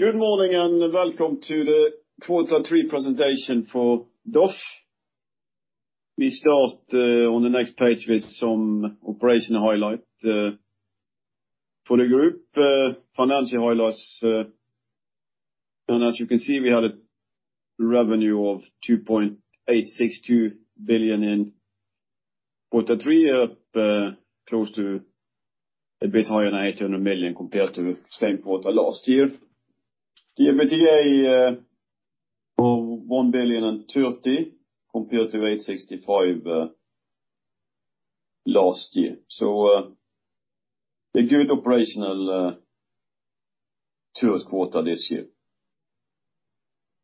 Good morning and welcome to the quarter three presentation for DOF. We start on the next page with some operational highlights for the group, financial highlights. As you can see, we had a revenue of 2.862 billion in quarter three up close to a bit higher than 800 million compared to same quarter last year. EBITDA of 1.030 billion compared to 865 million last year. A good operational third quarter this year.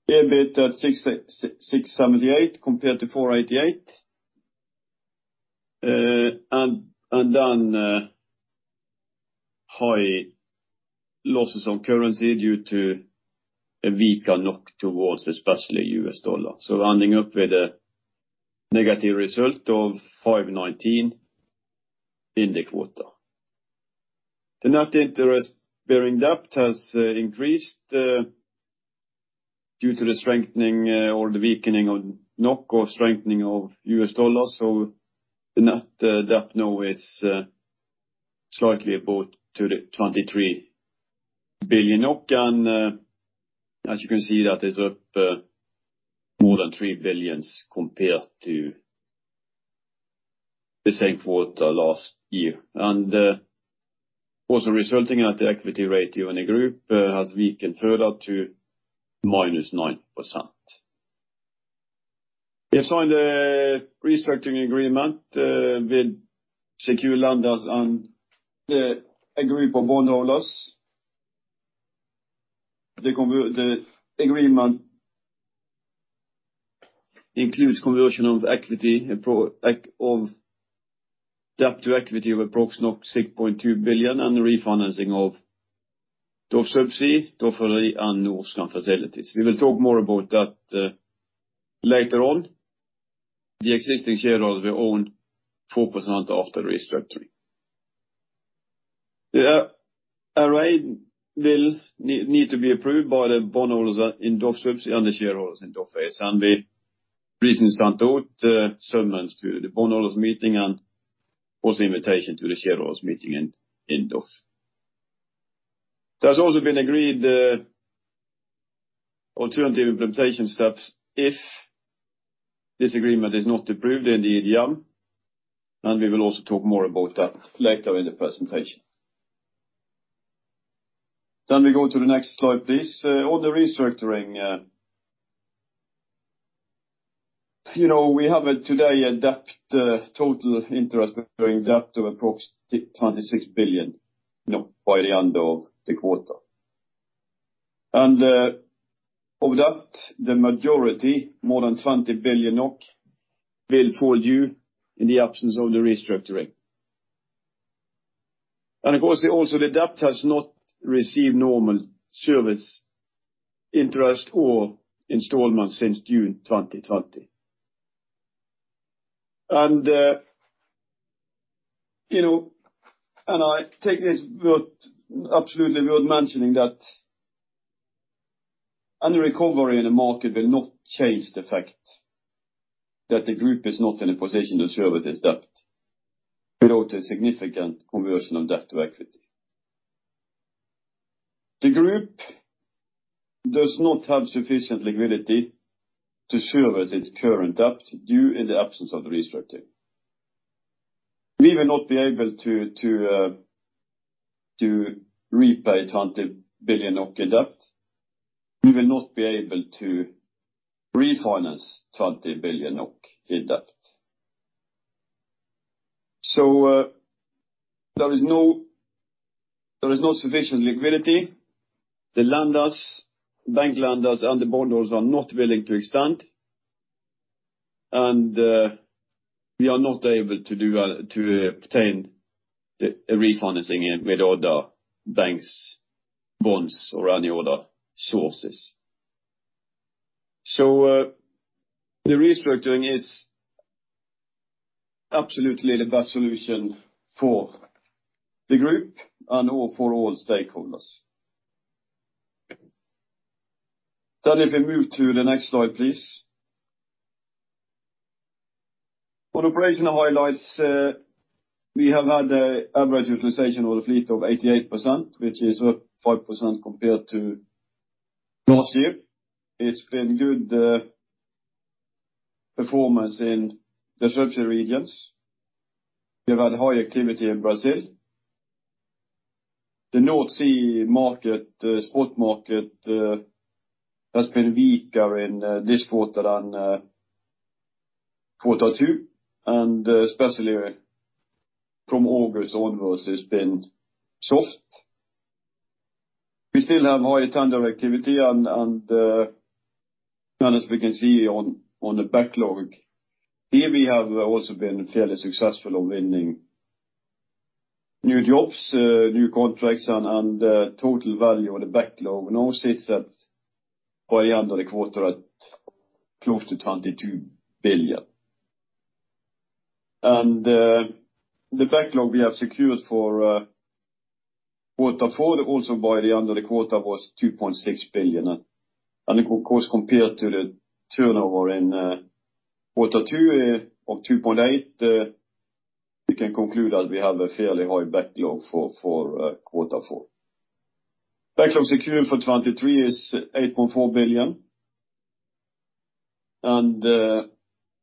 EBITDA at 666.78 million compared to 488 million. And then high losses on currency due to a weaker NOK towards especially U.S. dollar. We're ending up with a negative result of -519 million in the quarter. The net interest bearing debt has increased due to the strengthening or the weakening of NOK or strengthening of U.S. dollar. The net debt now is slightly above 23 billion NOK. As you can see, that is up more than 3 billion compared to the same quarter last year. The equity ratio in the group has weakened further to -9%. We have signed a restructuring agreement with secured lenders and the agree for bondholders. The agreement includes conversion of debt to equity of approximately 6.2 billion and refinancing of DOF Subsea, Dovre and Nordkapp facilities. We will talk more about that later on. The existing shareholders will own 4% after restructuring. The arrangement will need to be approved by the bondholders in DOF Subsea and the shareholders in DOF. We recently sent out summons to the bondholders meeting and also invitation to the shareholders meeting in DOF. There's also been agreed alternative implementation steps if this agreement is not approved in the AGM, and we will also talk more about that later in the presentation. We go to the next slide, please. On the restructuring, you know, we have today total interest bearing debt of approx 26 billion by the end of the quarter. Of that, the majority, more than 20 billion will fall due in the absence of the restructuring. Of course, also the debt has not received normal service interest or installments since June 2020. You know, absolutely worth mentioning that any recovery in the market will not change the fact that the group is not in a position to service its debt without a significant conversion of debt to equity. The group does not have sufficient liquidity to service its current debt due in the absence of the restructuring. We will not be able to rep`ay 20 billion in debt. We will not be able to refinance 20 billion in debt. There is no sufficient liquidity. The lenders, bank lenders and the bondholders are not willing to extend. We are not able to obtain the refinancing with other banks, bonds or any other sources. The restructuring is absolutely the best solution for the group and for all stakeholders. If we move to the next slide, please. On operational highlights, we have had a average utilization of the fleet of 88%, which is up 5% compared to last year. It's been good performance in the Subsea regions. We have had high activity in Brazil. The North Sea market, spot market, has been weaker in this quarter than quarter two, and especially from August onwards, it's been soft. We still have high tender activity and as we can see on the backlog, here we have also been fairly successful on winning new jobs, new contracts and total value of the backlog now sits at by the end of the quarter at close to 22 billion. The backlog we have secured for quarter four also by the end of the quarter was 2.6 billion. Of course, compared to the turnover in quarter two of 2.8 billion, we can conclude that we have a fairly high backlog for quarter four. Backlog secured for 2023 is 8.4 billion.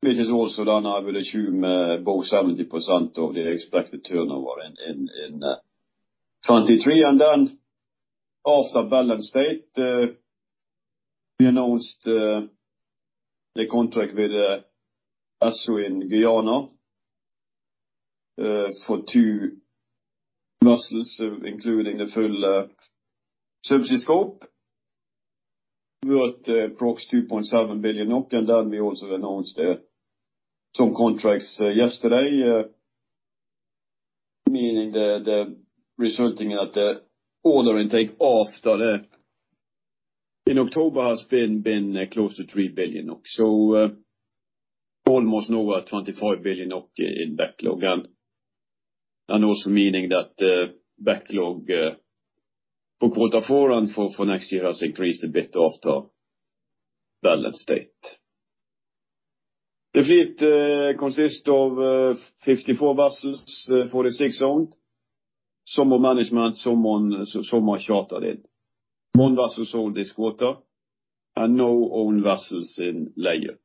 This is also done. I will assume above 70% of the expected turnover in 2023. Then after balance date, we announced the contract with Esso in Guyana for two vessels, including the full subsea scope worth approx 2.7 billion. Then we also announced some contracts yesterday, meaning the resulting in that the order intake in October has been close to 3 billion. Almost over 25 billion in backlog and also meaning that the backlog for quarter four and for next year has increased a bit after balance date. The fleet consists of 54 vessels, 46 owned. Some are management, some are chartered in. One vessel sold this quarter and no own vessels in lay-up.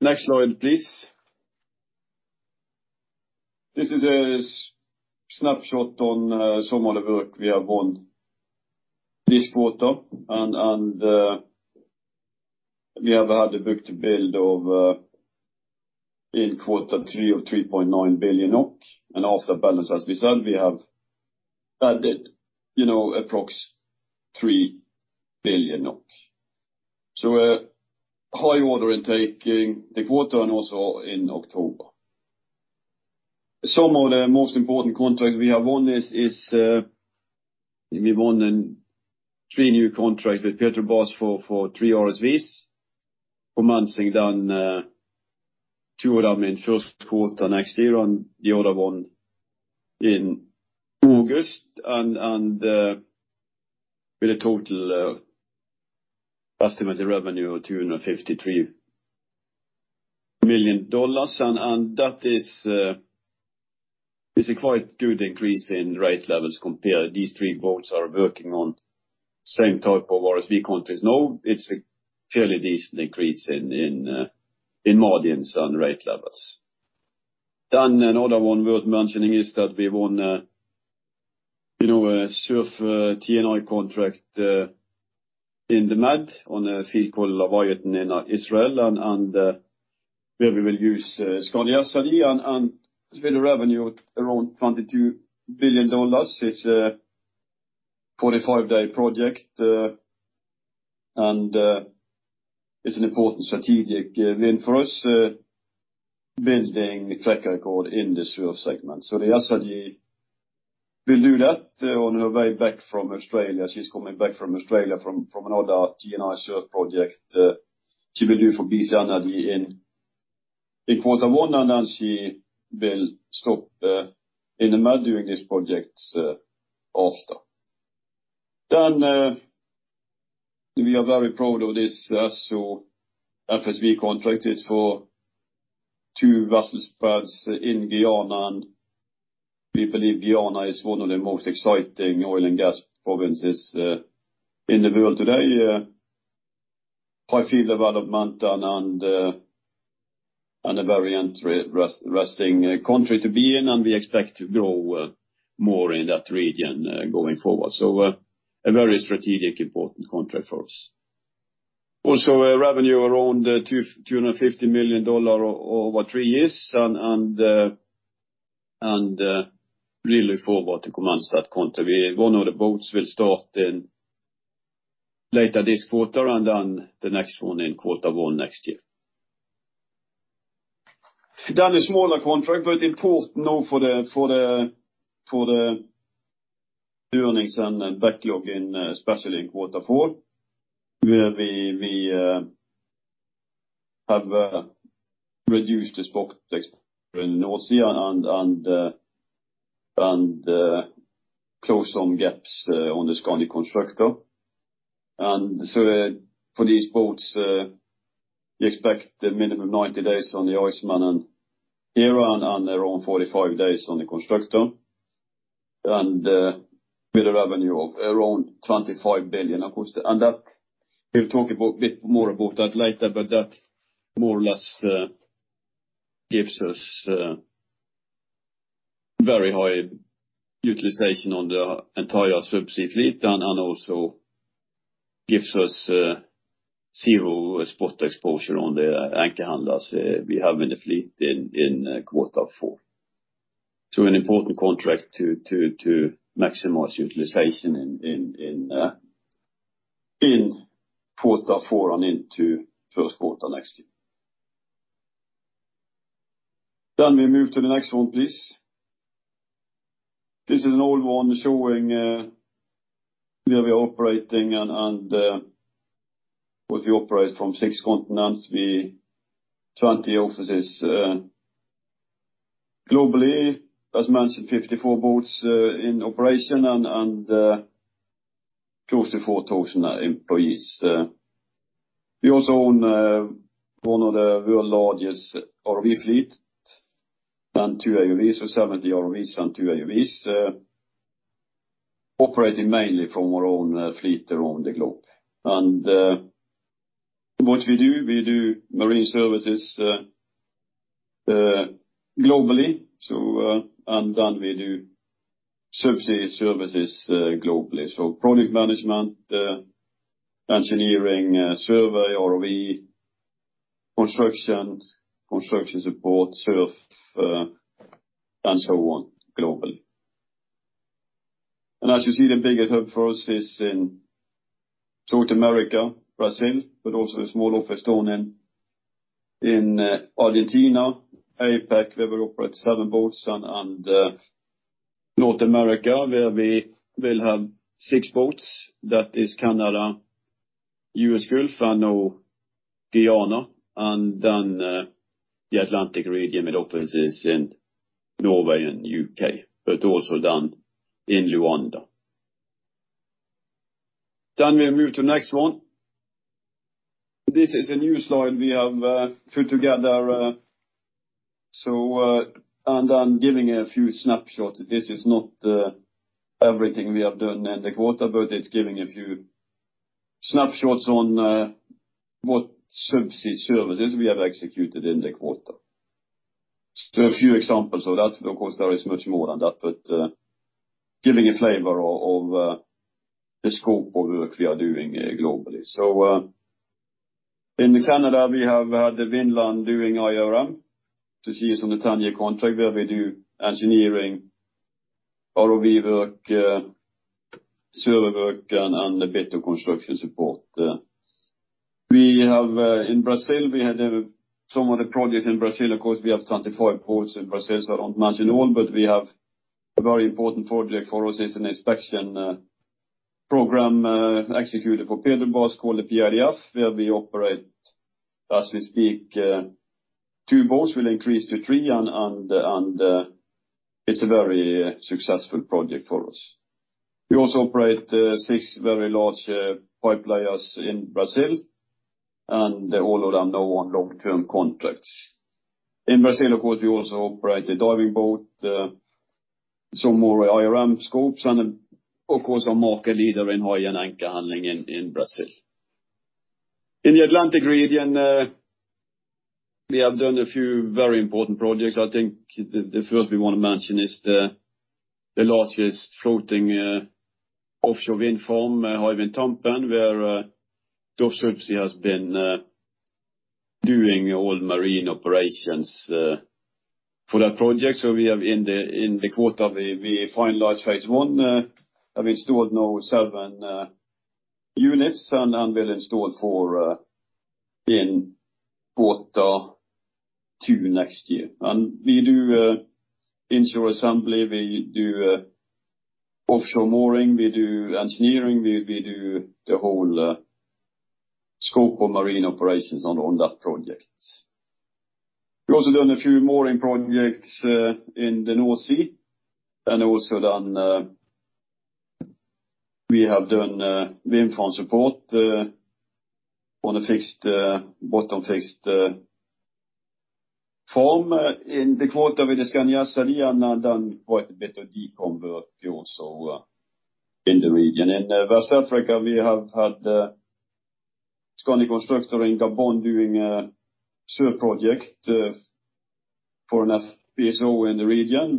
Next slide, please. This is a snapshot on some of the work we have won this quarter and we have had a book-to-bill of in quarter three of 3.9 billion NOK. After balance, as we said, we have added, you know, approx 3 billion NOK. A high order intake in the quarter and also in October. Some of the most important contracts we have won is we won and three new contract with Petrobras for three RSV, commencing then two of them in first quarter next year and the other one in August with a total of estimated revenue of $253 million. That is a quite good increase in rate levels compared to these three boats are working on same type of RSV contracts now. It's a fairly decent increase in margins and rate levels. Another one worth mentioning is that we won a SURF T&I contract in the Med on a field called Leviathan in Israel where we will use Skandi Constructor with a revenue at around $22 billion. It's a 45-day project, and it's an important strategic win for us, building track record in the SURF segment. The Jesse will do that on her way back from Australia. She's coming back from Australia from another T&I SURF project she will do for BP in quarter one, and then she will stop in the Med doing this project after. We are very proud of this Esso FSV contract. It's for two vessel spreads in Guyana, and we believe Guyana is one of the most exciting oil and gas provinces in the world today. High field development and a very interesting country to be in, and we expect to grow more in that region going forward. A very strategic important contract for us. A revenue around $250 million over three years and looking forward to commence that contract. One of the boats will start later this quarter, and then the next one in quarter one next year. A smaller contract, but important now for the earnings and backlog, especially in quarter four, where we have reduced the spot exposure in North Sea and closed some gaps on the Skandi Constructor. For these boats, we expect a minimum of 90 days on the Iceman and around 45 days on the Constructor, with a revenue of around $25 million, of course. That we'll talk about a bit more about that later, but that more or less gives us very high utilization on the entire subsea fleet and gives us zero spot exposure on the anchor handlers we have in the fleet in quarter four. An important contract to maximize utilization in quarter four and into first quarter next year. We move to the next one, please. This is an old one showing where we are operating and what we operate from six continents, we 20 offices globally. As mentioned, 54 boats in operation and close to 4,000 employees. We also own one of the world's largest ROV fleet and two AUVs. So 70 ROVs and two AUVs operating mainly from our own fleet around the globe. What we do, we do marine services globally. And then we do subsea services globally. Project management, engineering, survey, ROV, construction support, SURF, and so on, globally. As you see the biggest hub for us is in South America, Brazil, but also a small office down in Argentina. APAC, where we operate seven boats and North America, where we will have six boats. That is Canada, U.S. Gulf and now Guyana, and the Atlantic region with offices in Norway and U.K., but also down in Luanda. We move to next one. This is a new slide we have put together. I'm giving a few snapshots. This is not everything we have done in the quarter, but it's giving a few snapshots on what subsea services we have executed in the quarter. A few examples of that. Of course, there is much more than that, but giving a flavor of the scope of work we are doing globally. In Canada, we have had the Skandi Vinland doing IRM. This is on the Tanager contract where we do engineering, ROV work, survey work and a bit of construction support. We have in Brazil some of the projects in Brazil. Of course, we have 24 ports in Brazil, so I don't mention all, but we have a very important project for us is an inspection program executed for Petrobras called the PRF, where we operate, as we speak, two boats will increase to three and it's a very successful project for us. We also operate six very large pipelayers in Brazil and all of them now on long term contracts. In Brazil, of course, we also operate a diving boat, some more IRM scopes and of course a market leader in AHTS and anchor handling in Brazil. In the Atlantic region, we have done a few very important projects. I think the first we wanna mention is the largest floating offshore wind farm, Hywind Tampen where DOF Subsea has been doing all marine operations for that project. We have in the quarter we finalized phase one and we installed now seven units and will install four in quarter two next year. We do inshore assembly, we do offshore mooring, we do engineering, we do the whole scope of marine operations on that project. We also done a few mooring projects in the North Sea, and also then we have done wind farm support on a fixed bottom fixed farm. In the quarter we did Skandi Acergy and then quite a bit of decom work we also in the region. In West Africa, we have had Skandi Constructor in Gabon doing a SURF project for an FPSO in the region.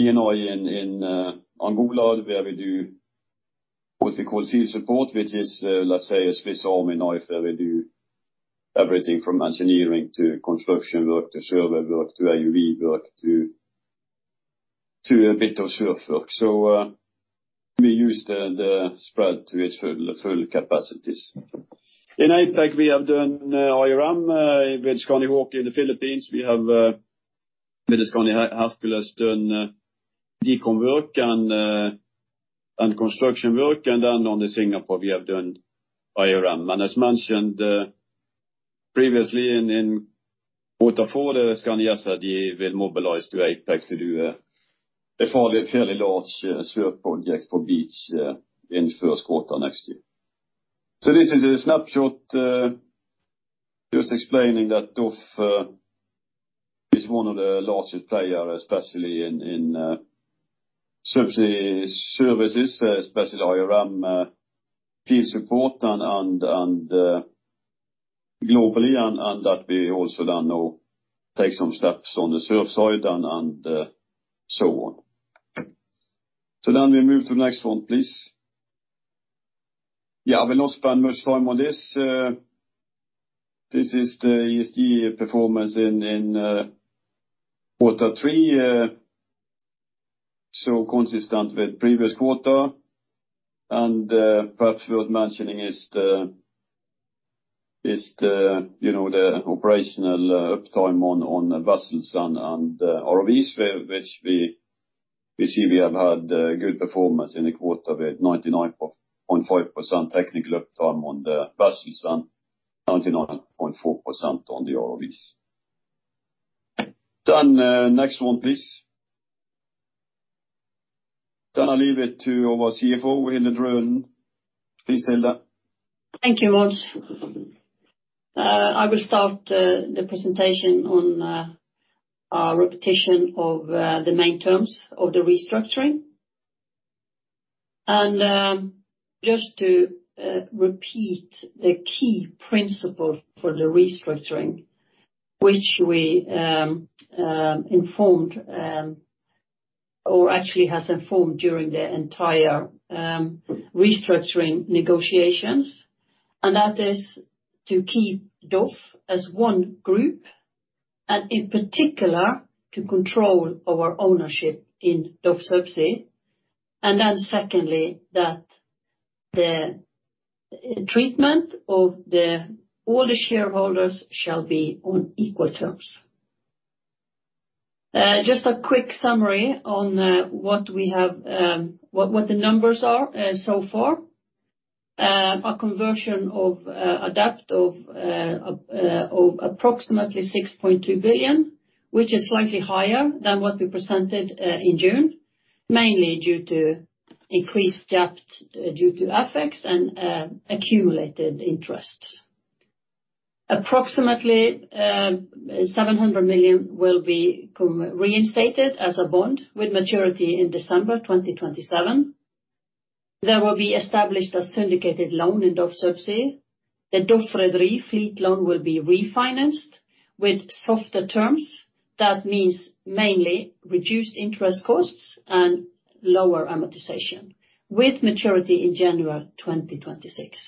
We have a long-term contract with Eni in Angola, where we do what we call field support, which is, let's say a Swiss Army knife, where we do everything from engineering to construction work, to survey work, to AUV work, to a bit of SURF work. We use the spread to its full capacities. In APAC, we have done IRM with Skandi Hawk in the Philippines. We have with the Skandi Hercules done decom work and construction work. Then on the Skandi Singapore we have done IRM. As mentioned previously in quarter four, the Skandi Acergy will mobilize to APAC to do a fairly large SURF project for Beach Energy in first quarter next year. This is a snapshot just explaining that DOF is one of the largest player, especially in subsea services, especially IRM, field support and globally, and that we also then now take some steps on the SURF side and so on. We move to the next one, please. Yeah, we won't spend much time on this. This is the ESG performance in quarter three. Consistent with previous quarter and perhaps worth mentioning is the, you know, the operational uptime on vessels and ROV which we see we have had good performance in the quarter with 99.5% technical uptime on the vessels and 99.4% on the ROVs. Next one please. I leave it to our CFO, Hilde Drønen. Please, Hilde. Thank you, Mons. I will start the presentation on our repetition of the main terms of the restructuring. Just to repeat the key principle for the restructuring which we informed, or actually has informed during the entire restructuring negotiations, and that is to keep DOF as one group, and in particular, to control our ownership in DOF Subsea. Secondly, that the treatment of all the shareholders shall be on equal terms. Just a quick summary on what we have, what the numbers are so far. A conversion of a debt of approximately 6.2 billion, which is slightly higher than what we presented in June, mainly due to increased debt due to FX and accumulated interest. Approximately 700 million will be reinstated as a bond with maturity in December 2027. There will be established a syndicated loan in DOF Subsea. The DOF Rederi fleet loan will be refinanced with softer terms. That means mainly reduced interest costs and lower amortization with maturity in January 2026.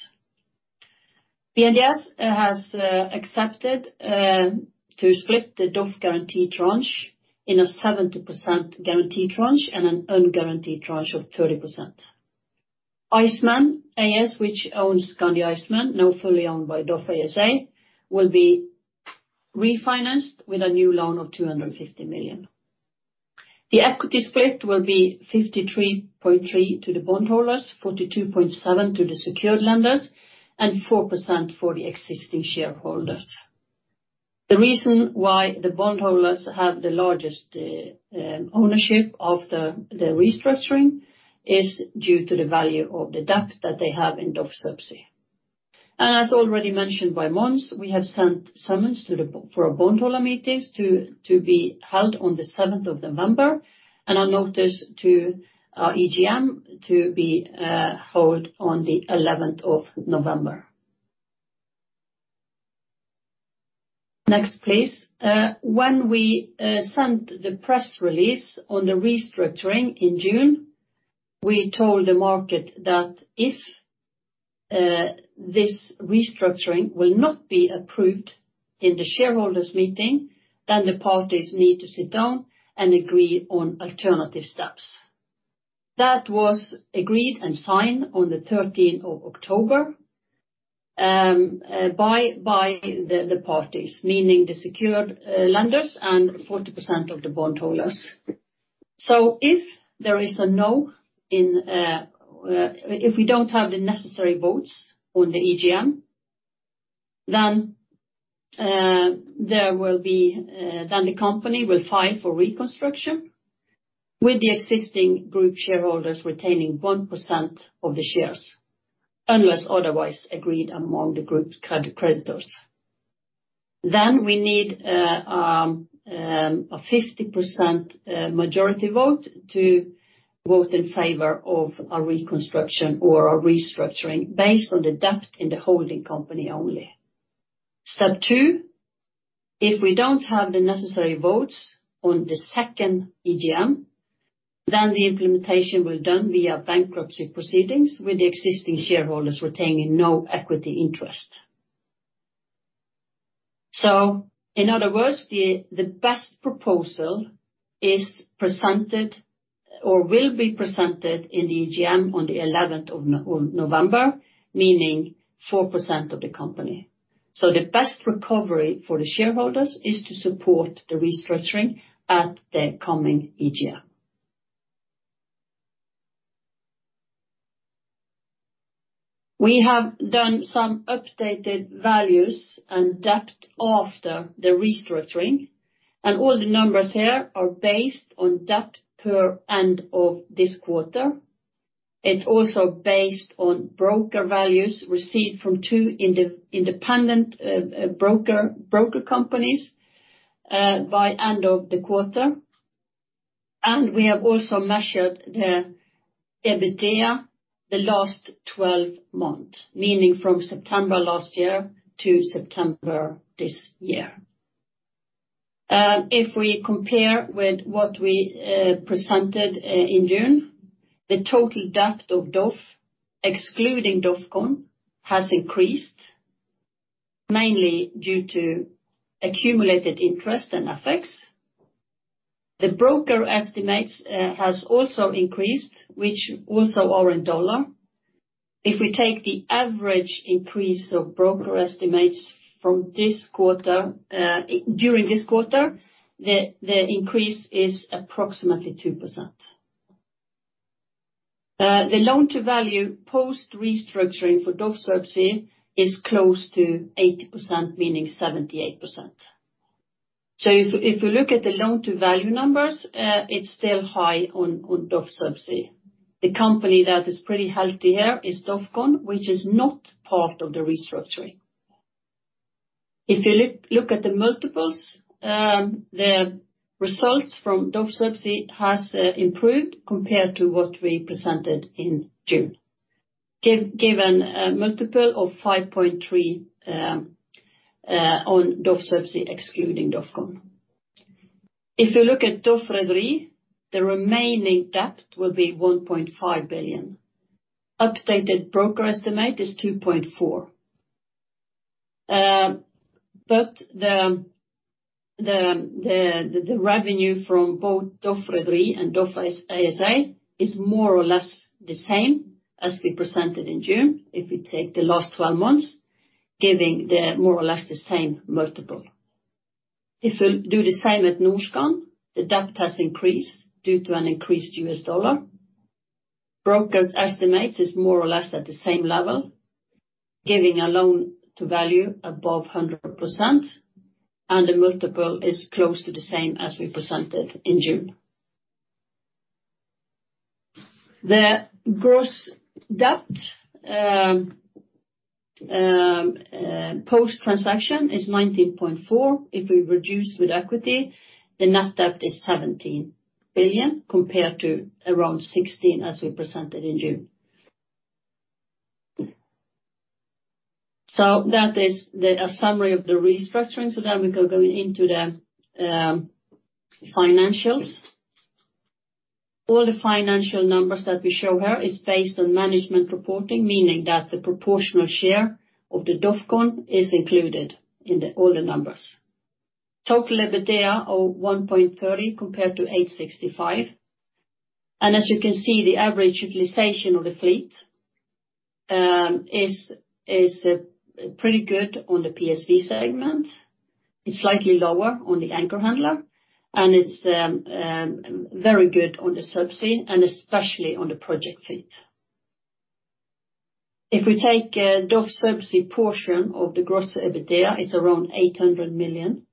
BNDES has accepted to split the DOF guarantee tranche in a 70% guarantee tranche and an unguaranteed tranche of 30%. Iceman AS, which owns Skandi Iceman, now fully owned by DOF ASA, will be refinanced with a new loan of 250 million. The equity split will be 53.3% to the bondholders, 42.7% to the secured lenders, and 4% for the existing shareholders. The reason why the bondholders have the largest ownership of the restructuring is due to the value of the debt that they have in DOF Subsea. As already mentioned by Mons, we have sent summons for bondholder meetings to be held on the seventh of November and a notice to our EGM to be held on the 11th of November. Next please. When we sent the press release on the restructuring in June, we told the market that if this restructuring will not be approved in the shareholders meeting, then the parties need to sit down and agree on alternative steps. That was agreed and signed on the thirteenth of October by the parties, meaning the secured lenders and 40% of the bondholders. If we don't have the necessary votes on the EGM, the company will file for reconstruction with the existing group shareholders retaining 1% of the shares, unless otherwise agreed among the group's creditors. We need a 50% majority vote to vote in favor of a reconstruction or a restructuring based on the debt in the holding company only. Step two, if we don't have the necessary votes on the second EGM, the implementation will be done via bankruptcy proceedings with the existing shareholders retaining no equity interest. In other words, the best proposal is presented or will be presented in the EGM on the eleventh of November, meaning 4% of the company. The best recovery for the shareholders is to support the restructuring at the coming EGM. We have done some updated values and debt after the restructuring, and all the numbers here are based on debt per end of this quarter. It's also based on broker values received from two independent broker companies by end of the quarter. We have also measured the EBITDA the last 12 months, meaning from September last year to September this year. If we compare with what we presented in June, the total debt of DOF, excluding DOFCON, has increased mainly due to accumulated interest and effects. The broker estimates has also increased, which also are in dollar. If we take the average increase of broker estimates from this quarter during this quarter, the increase is approximately 2%. The loan to value post-restructuring for DOF Subsea is close to 80%, meaning 78%. If you look at the loan to value numbers, it's still high on DOF Subsea. The company that is pretty healthy here is DOF Rederi, which is not part of the restructuring. If you look at the multiples, the results from DOF Subsea has improved compared to what we presented in June. Given a multiple of 5.3 on DOF Subsea excluding DOF Rederi. If you look at DOF Rederi, the remaining debt will be 1.5 billion. Updated broker estimate is 2.4 billion. The revenue from both DOF Rederi and DOF Subsea AS is more or less the same as we presented in June if we take the last twelve months, giving more or less the same multiple. If we do the same at Norskan, the debt has increased due to an increased U.S. dollar. Brokers estimates is more or less at the same level, giving a loan to value above 100%, and the multiple is close to the same as we presented in June. The gross debt post-transaction is 19.4 billion. If we reduce with equity, the net debt is 17 billion, compared to around 16 as we presented in June. That is a summary of the restructuring. We can go into the financials. All the financial numbers that we show here is based on management reporting, meaning that the proportional share of the DOF is included in all the numbers. Total EBITDA of 130 compared to 865. As you can see, the average utilization of the fleet is pretty good on the PSV segment. It's slightly lower on the anchor handler, and it's very good on the subsea and especially on the project fleet. If we take DOF Subsea portion of the gross EBITDA, it's around 800 million.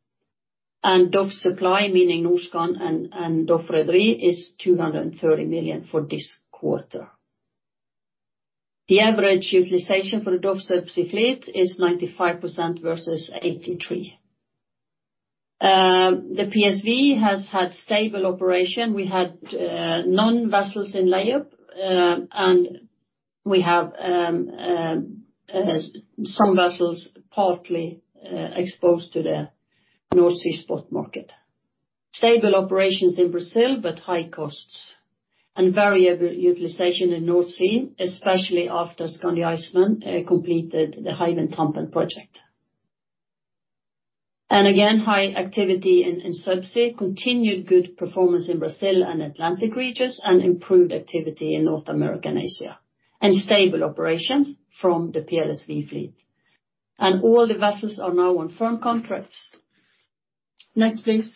DOF Supply, meaning Norskan and DOF Rederi is 230 million for this quarter. The average utilization for the DOF Subsea fleet is 95% versus 83%. The PSV has had stable operation. We had no vessels in layup, and we have some vessels partly exposed to the North Sea spot market. Stable operations in Brazil, but high costs. Variable utilization in North Sea, especially after Skandi Iceman completed the Hywind Tampen project. High activity in Subsea continued good performance in Brazil and Atlantic regions and improved activity in North American Asia. Stable operations from the PLSV fleet. All the vessels are now on firm contracts. Next, please.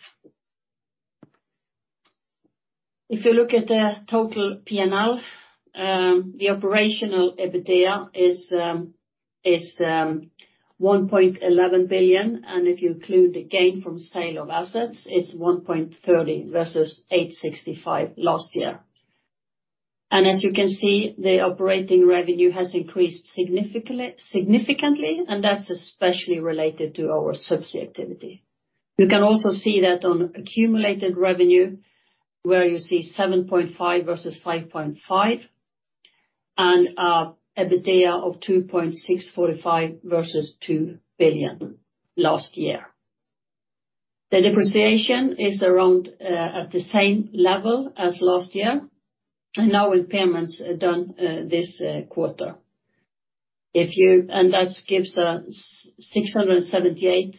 If you look at the total P&L, the operational EBITDA is 1.11 billion, and if you include the gain from sale of assets, it's 1.30 billion versus 865 million last year. As you can see, the operating revenue has increased significantly, and that's especially related to our Subsea activity. You can also see that on accumulated revenue where you see 7.5 versus 5.5 and EBITDA of 2.645 versus 2 billion last year. The depreciation is around at the same level as last year, and no impairments done this quarter. That gives 678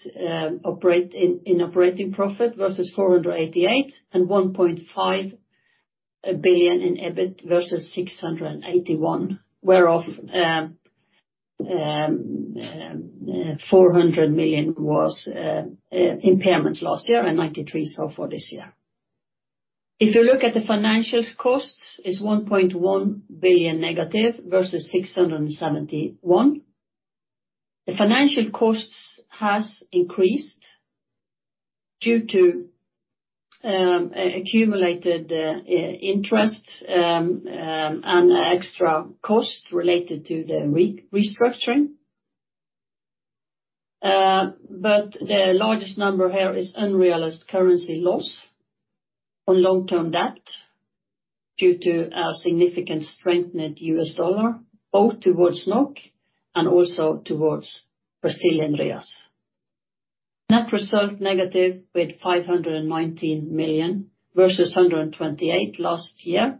operating profit versus 488 and 1.5 billion in EBIT versus 681, whereof 400 million was impairments last year and 93 so far this year. If you look at the financial costs is 1.1 billion negative versus 671. The financial costs has increased due to accumulated interest and extra costs related to the restructuring. The largest number here is unrealized currency loss on long-term debt due to a significant strengthened U.S. dollar, both towards NOK and also towards Brazilian reais. Net result negative with 519 million versus 128 million last year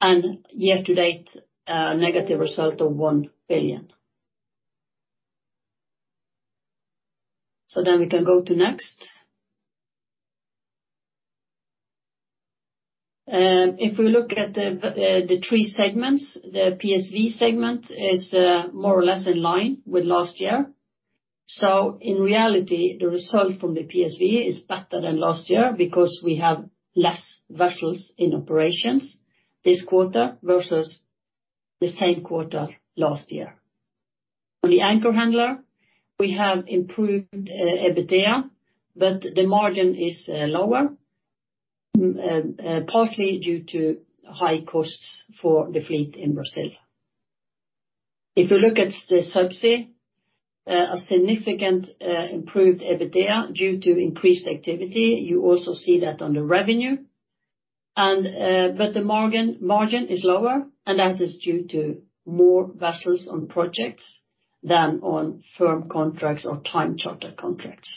and year to date, negative result of 1 billion. We can go to next. If we look at the three segments, the PSV segment is more or less in line with last year. In reality, the result from the PSV is better than last year because we have less vessels in operations this quarter versus the same quarter last year. On the anchor handler, we have improved EBITDA, but the margin is lower, partly due to high costs for the fleet in Brazil. If you look at the Subsea, a significant improved EBITDA due to increased activity. You also see that on the revenue and, but the margin is lower, and that is due to more vessels on projects than on firm contracts or time charter contracts.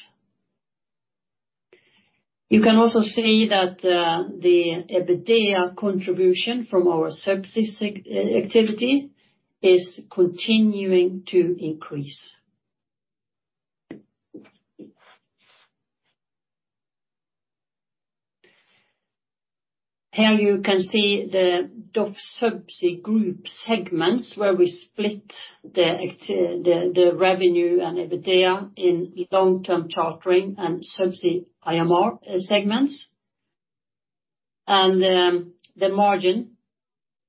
You can also see that, the EBITDA contribution from our Subsea activity is continuing to increase. Here you can see the DOF Subsea Group segments where we split the the revenue and EBITDA in long-term chartering and Subsea IMR segments. The margin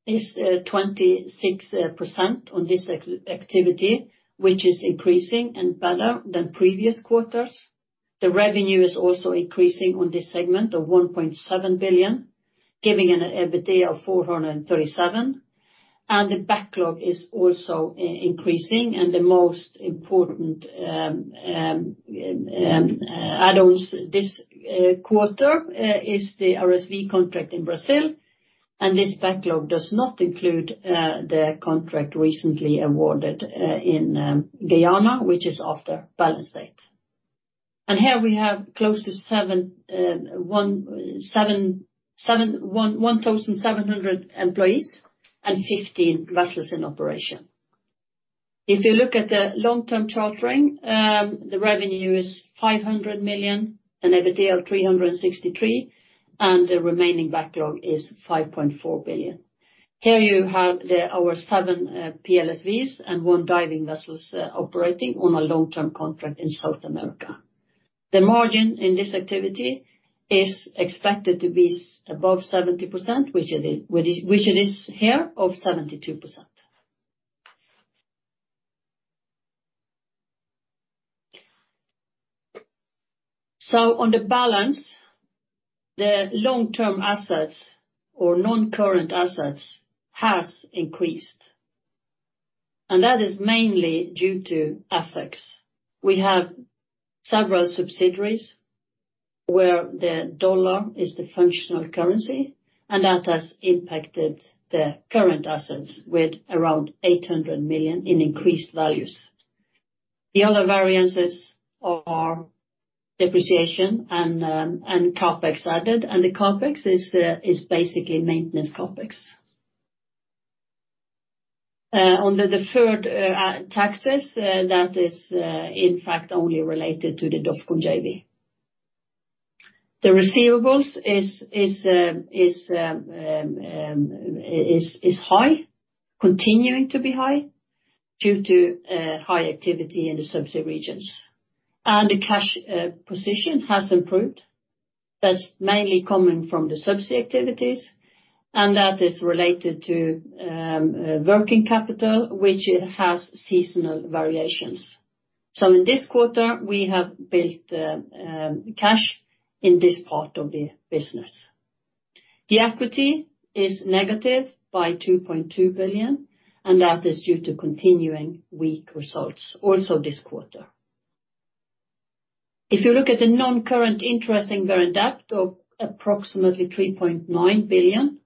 is 26% on this activity which is increasing and better than previous quarters. The revenue is also increasing on this segment of 1.7 billion giving an EBITDA of 437 and the backlog is also increasing and the most important add-ons this quarter is the RSV contract in Brazil and this backlog does not include the contract recently awarded in Guyana which is after balance date. Here we have close to 1,700 employees and 15 vessels in operation. If you look at the long-term chartering, the revenue is 500 million and EBITDA of 363 and the remaining backlog is 5.4 billion. Here you have our seven PLSVs and one diving vessel operating on a long-term contract in South America. The margin in this activity is expected to be above 70% which it is here of 72%. On the balance, the long-term assets or non-current assets has increased, and that is mainly due to FX. We have several subsidiaries where the dollar is the functional currency and that has impacted the current assets with around 800 million in increased values. The other variances are depreciation and CapEx added and the CapEx is basically maintenance CapEx. On the deferred taxes, that is in fact only related to the DOFCON JV. The receivables is high, continuing to be high due to high activity in the subsea regions. The cash position has improved. That's mainly coming from the subsea activities and that is related to working capital which it has seasonal variations. In this quarter we have built cash in this part of the business. The equity is negative by 2.2 billion and that is due to continuing weak results also this quarter. If you look at the non-current, interest-bearing, and current debt of approximately 3.9 billion,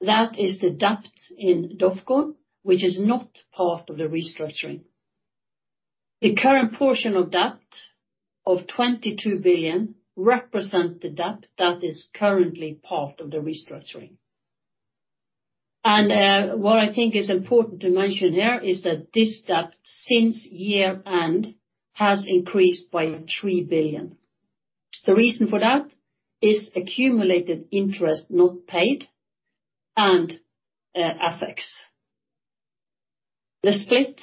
that is the debt in DOF Rederi which is not part of the restructuring. The current portion of debt of 22 billion represent the debt that is currently part of the restructuring. What I think is important to mention here is that this debt since year-end has increased by 3 billion. The reason for that is accumulated interest not paid and FX. The split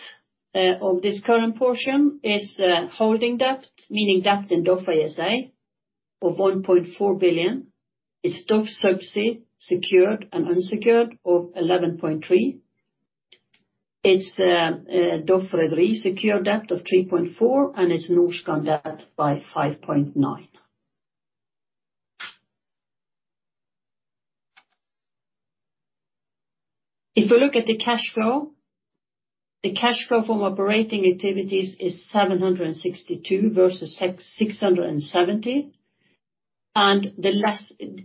of this current portion is holding debt meaning debt in DOF ASA of 1.4 billion. It's DOF Subsea secured and unsecured of 11.3 billion. It's DOF Rederi secured debt of 3.4 billion and it's Norskan debt of 5.9 billion. If you look at the cash flow, the cash flow from operating activities is 762 versus 670.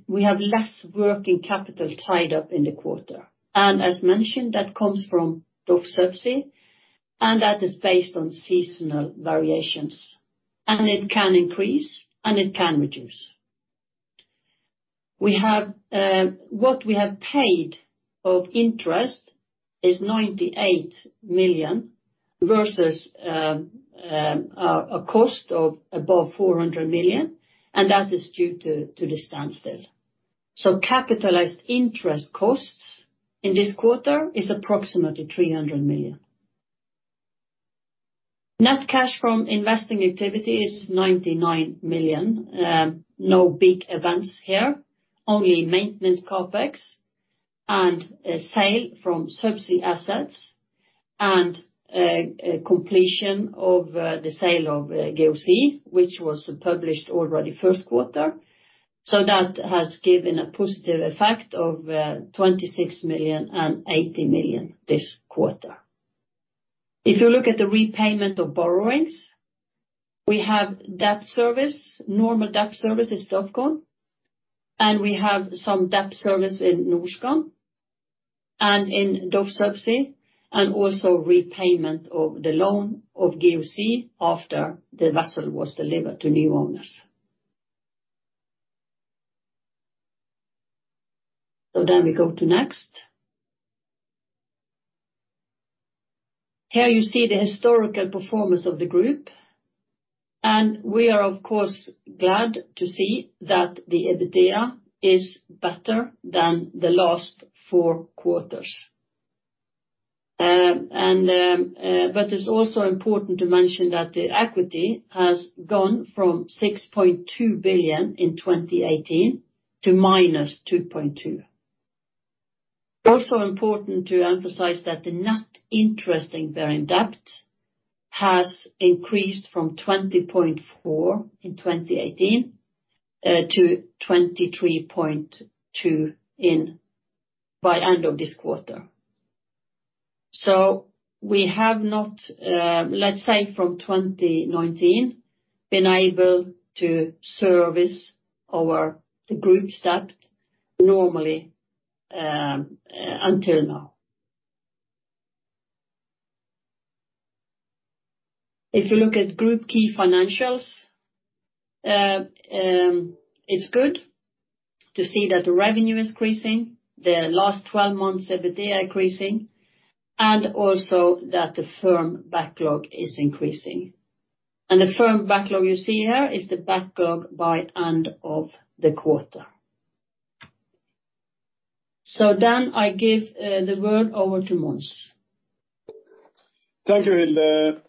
We have less working capital tied up in the quarter. As mentioned, that comes from DOF Subsea, and that is based on seasonal variations. It can increase, and it can reduce. We have what we have paid of interest is 98 million versus a cost of above 400 million, and that is due to the standstill. Capitalized interest costs in this quarter is approximately 300 million. Net cash from investing activity is 99 million. No big events here, only maintenance CapEx and a sale from subsea assets and a completion of the sale of GOC, which was published already first quarter. That has given a positive effect of 26 million and 80 million this quarter. If you look at the repayment of borrowings, we have debt service, normal debt service is DOF Group, and we have some debt service in Norskan and in DOF Subsea, and also repayment of the loan of GOC after the vessel was delivered to new owners. We go to next. Here you see the historical performance of the group, and we are of course glad to see that the EBITDA is better than the last four quarters. It's also important to mention that the equity has gone from 6.2 billion in 2018- -2.2 billion. Also important to emphasize that the net interest-bearing debt has increased from 20.4 billion in 2018-NOK 23.2 billion by end of this quarter. We have not, let's say from 2019, been able to service the group's debt normally, until now. If you look at group key financials, it's good to see that the revenue is increasing, the last twelve months EBITDA increasing, and also that the firm backlog is increasing. The firm backlog you see here is the backlog by end of the quarter. Then I give the word over to Mons. Thank you, Hilde.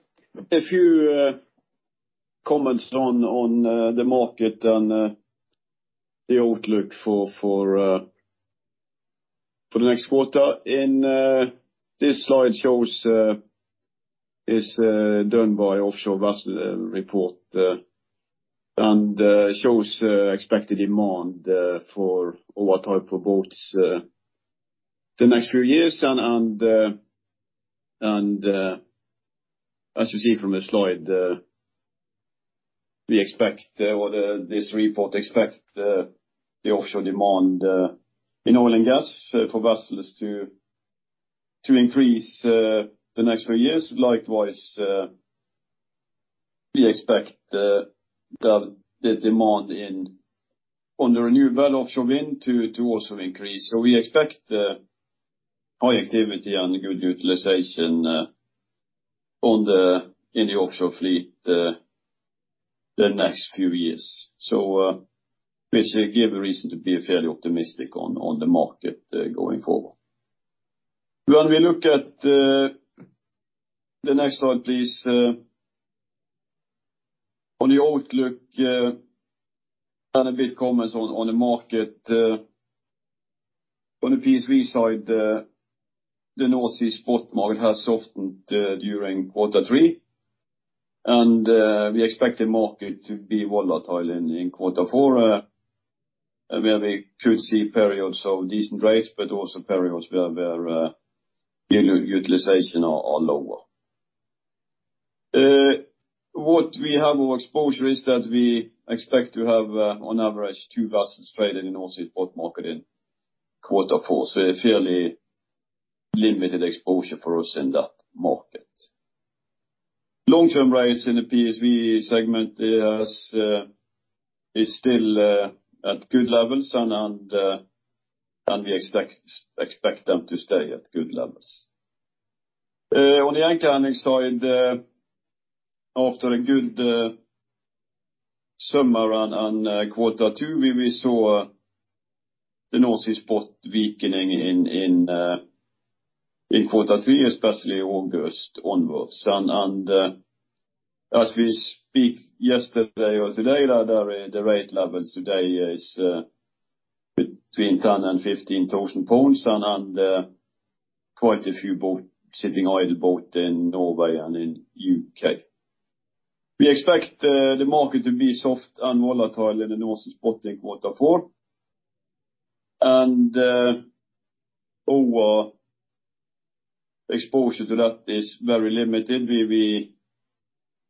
A few comments on the market and the outlook for the next quarter. This slide is done by Offshore Vessel Report and shows expected demand for our type of boats the next few years. As you see from the slide, we expect or this report expects the offshore demand in oil and gas for vessels to increase the next few years. Likewise, we expect the demand in the renewable offshore wind to also increase. We expect high activity and good utilization in the offshore fleet the next few years. This gives a reason to be fairly optimistic on the market going forward. When we look at the next slide, please, on the outlook and a bit comments on the market on the PSV side, the North Sea spot market has softened during quarter three. We expect the market to be volatile in quarter four, where we could see periods of decent rates but also periods where utilization are lower. What we have our exposure is that we expect to have on average two vessels trading in North Sea spot market in quarter four, so a fairly limited exposure for us in that market. Long-term rates in the PSV segment is still at good levels and we expect them to stay at good levels. On the anchor handling side, after a good summer and quarter two, we saw the North Sea spot weakening in quarter three, especially August onwards. As we speak yesterday or today, rather, the rate levels today is between 10,000 and 15,000 pounds and quite a few boats sitting idle both in Norway and in U.K. We expect the market to be soft and volatile in the North Sea spot in quarter four. Our exposure to that is very limited.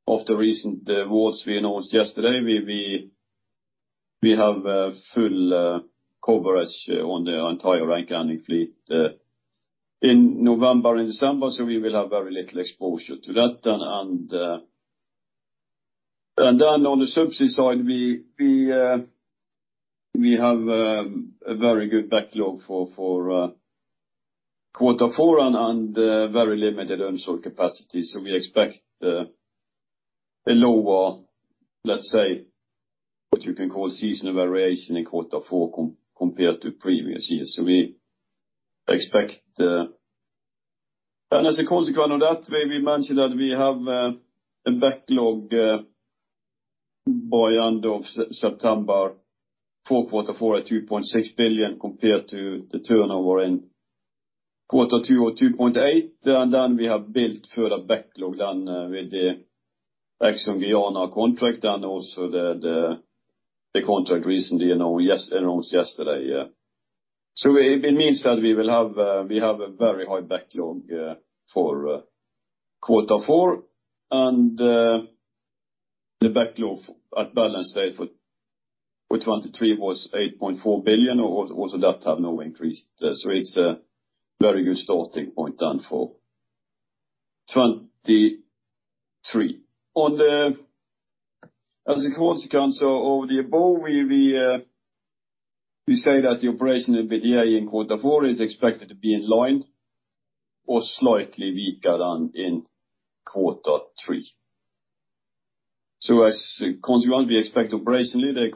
Of the recent awards we announced yesterday, we have full coverage on the entire remaining fleet in November and December, so we will have very little exposure to that then. On the subsea side, we have a very good backlog for quarter four and very limited onhire capacity. We expect a lower, let's say, what you can call seasonal variation in quarter four compared to previous years. As a consequence of that, we mentioned that we have a backlog by end of September for quarter four at 2.6 billion compared to the turnover in quarter two at 2.8 billion. We have built further backlog with the ExxonMobil Guyana contract, and also the contract recently announced yesterday. It means that we have a very high backlog for quarter four. The backlog at balance date for 2023 was 8.4 billion, also that have now increased. It's a very good starting point for 2023. On the, as a consequence of the above, we say that the operation in WDI in quarter four is expected to be in line or slightly weaker than in quarter three. As a consequence, we expect operationally that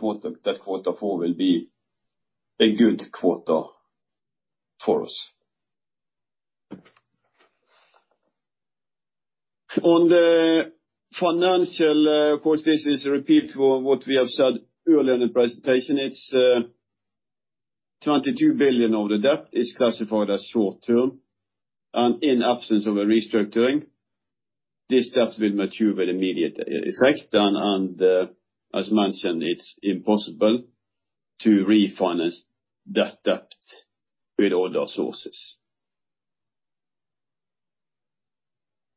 quarter four will be a good quarter for us. On the financial, of course this is a repeat for what we have said earlier in the presentation. It's 22 billion of the debt is classified as short-term, and in absence of a restructuring, this debt will mature with immediate effect. as mentioned, it's impossible to refinance that debt with other sources.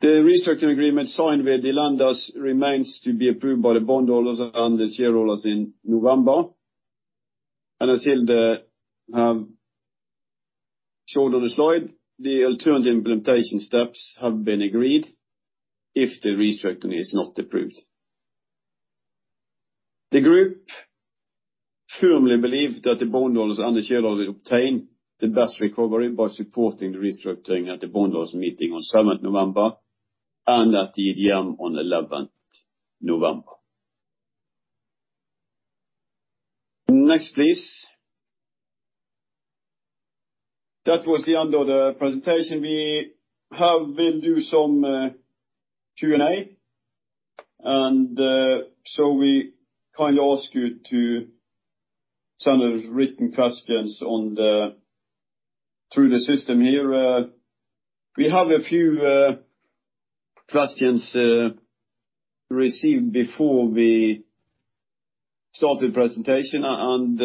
The restructuring agreement signed with the lenders remains to be approved by the bondholders and the shareholders in November. as Hilde have showed on the slide, the alternative implementation steps have been agreed if the restructuring is not approved. The group firmly believe that the bondholders and the shareholders will obtain the best recovery by supporting the restructuring at the bondholders meeting on seventh November and at the AGM on 11th November. Next, please. That was the end of the presentation. We will do some Q&A. we kindly ask you to send us written questions through the system here. We have a few questions received before we start the presentation, and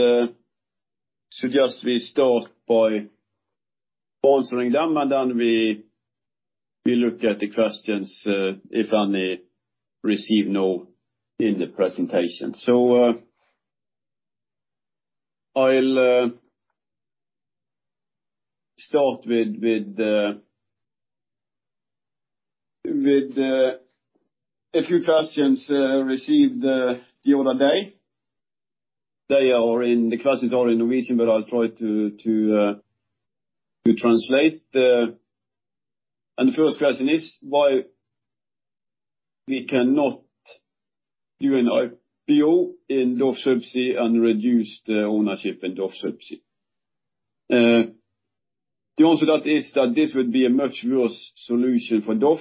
suggest we start by answering them and then we look at the questions, if any received now in the presentation. I'll start with a few questions received the other day. The questions are in Norwegian, but I'll try to translate. The first question is why we cannot do an IPO in DOF Subsea and reduce the ownership in DOF Subsea. The answer to that is that this would be a much worse solution for DOF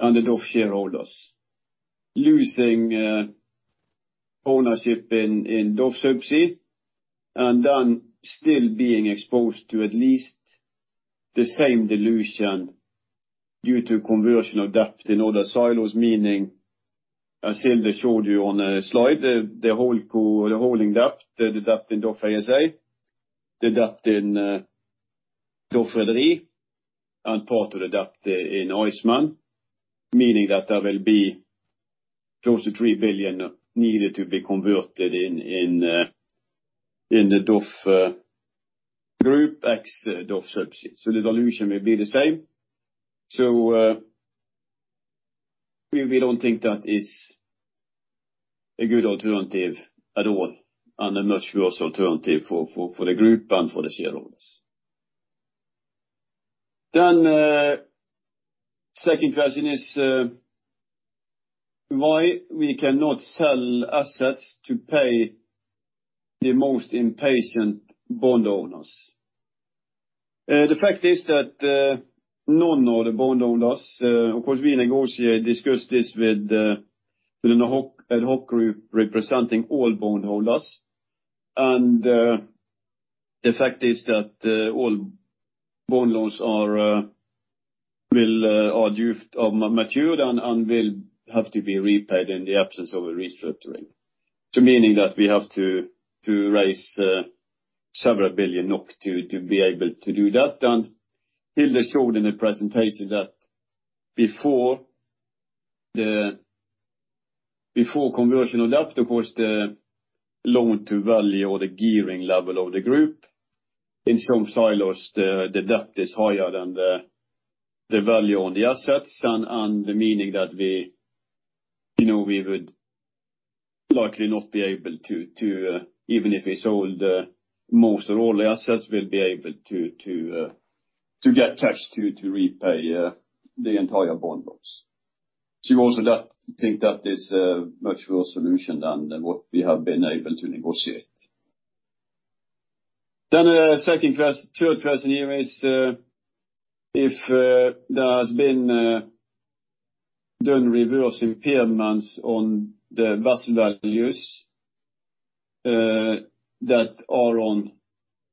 and the DOF shareholders. Losing ownership in DOF Subsea and then still being exposed to at least the same dilution due to conversion of debt in other silos, meaning as Hilde showed you on a slide, the holdco, the holding debt, the debt in DOF ASA, the debt in DOF Rederi, and part of the debt in Norskan, meaning that there will be close to 3 billion needed to be converted in the DOF group ex DOF Subsea. The dilution will be the same. We don't think that is a good alternative at all, and a much worse alternative for the group and for the shareholders. Second question is why we cannot sell assets to pay the most impatient bond owners. The fact is that none of the bond owners, of course we negotiate, discuss this with an ad hoc group representing all bondholders. The fact is that all bond loans are due or have matured and will have to be repaid in the absence of a restructuring. That meaning that we have to raise several billion NOK to be able to do that. Hilde showed in the presentation that before conversion of that, of course, the loan to value or the gearing level of the group. In some silos, the debt is higher than the value on the assets and meaning that we, you know, we would likely not be able to even if we sold most or all the assets, we'd be able to get cash to repay the entire bond box. She also does think that is a much worse solution than what we have been able to negotiate. Third question here is if there has been done reverse impairments on the vessel values that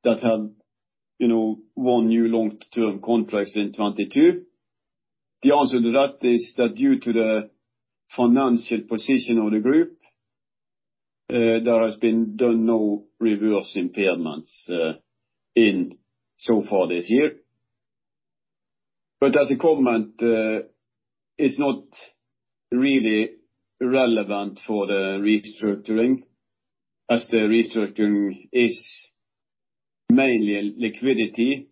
have one-year long-term contracts in 2022. The answer to that is that due to the financial position of the group, there has been done no reverse impairments so far this year. As a comment, it's not really relevant for the restructuring, as the restructuring is mainly liquidity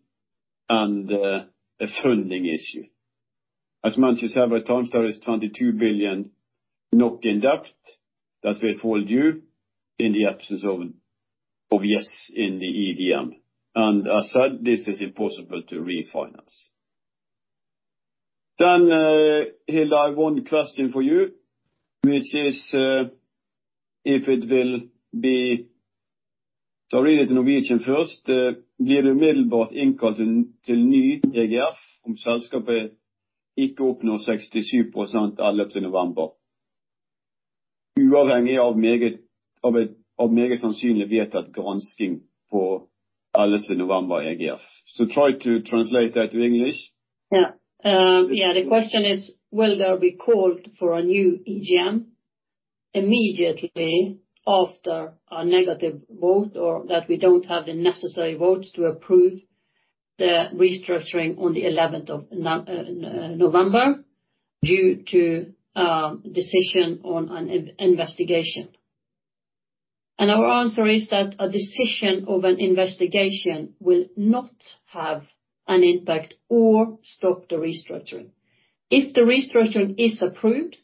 and a funding issue. As mentioned several times, there is 22 billion NOK in debt that will fall due in the absence of the EGM. As said, this is impossible to refinance. Hilde, I have one question for you, which is if it will be. I'll read it in Norwegian first. Try to translate that to English. The question is, will there be called for a new EGM immediately after a negative vote or that we don't have the necessary votes to approve the restructuring on the eleventh of November due to decision on an investigation? Our answer is that a decision of an investigation will not have an impact or stop the restructuring. If the restructuring is approved,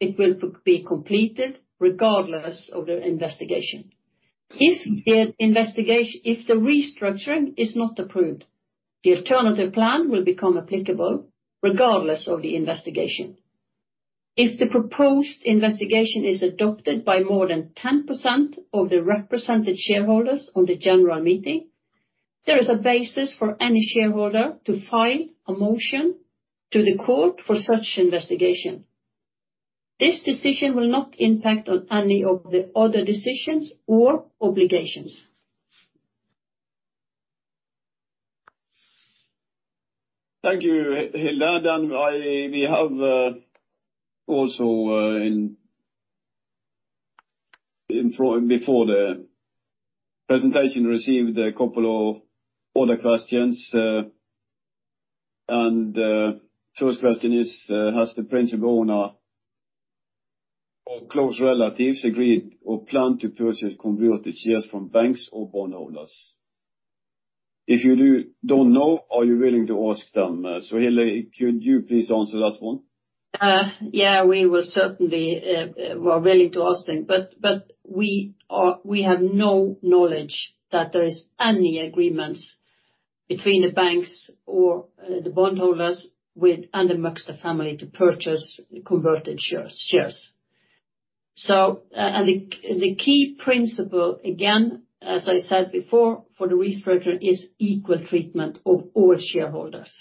it will be completed regardless of the investigation. If the restructuring is not approved, the alternative plan will become applicable regardless of the investigation. If the proposed investigation is adopted by more than 10% of the represented shareholders on the general meeting, there is a basis for any shareholder to file a motion to the court for such investigation. This decision will not impact on any of the other decisions or obligations. Thank you, Hilde. We have also, before the presentation, received a couple of other questions. First question is, has the principal owner or close relatives agreed or planned to purchase converted shares from banks or bondholders? If you don't know, are you willing to ask them? Hilde, could you please answer that one? We will certainly. We're willing to ask them. We have no knowledge that there is any agreements between the banks or the bondholders and the Møgster family to purchase converted shares. The key principle, again, as I said before, for the restructuring is equal treatment of all shareholders.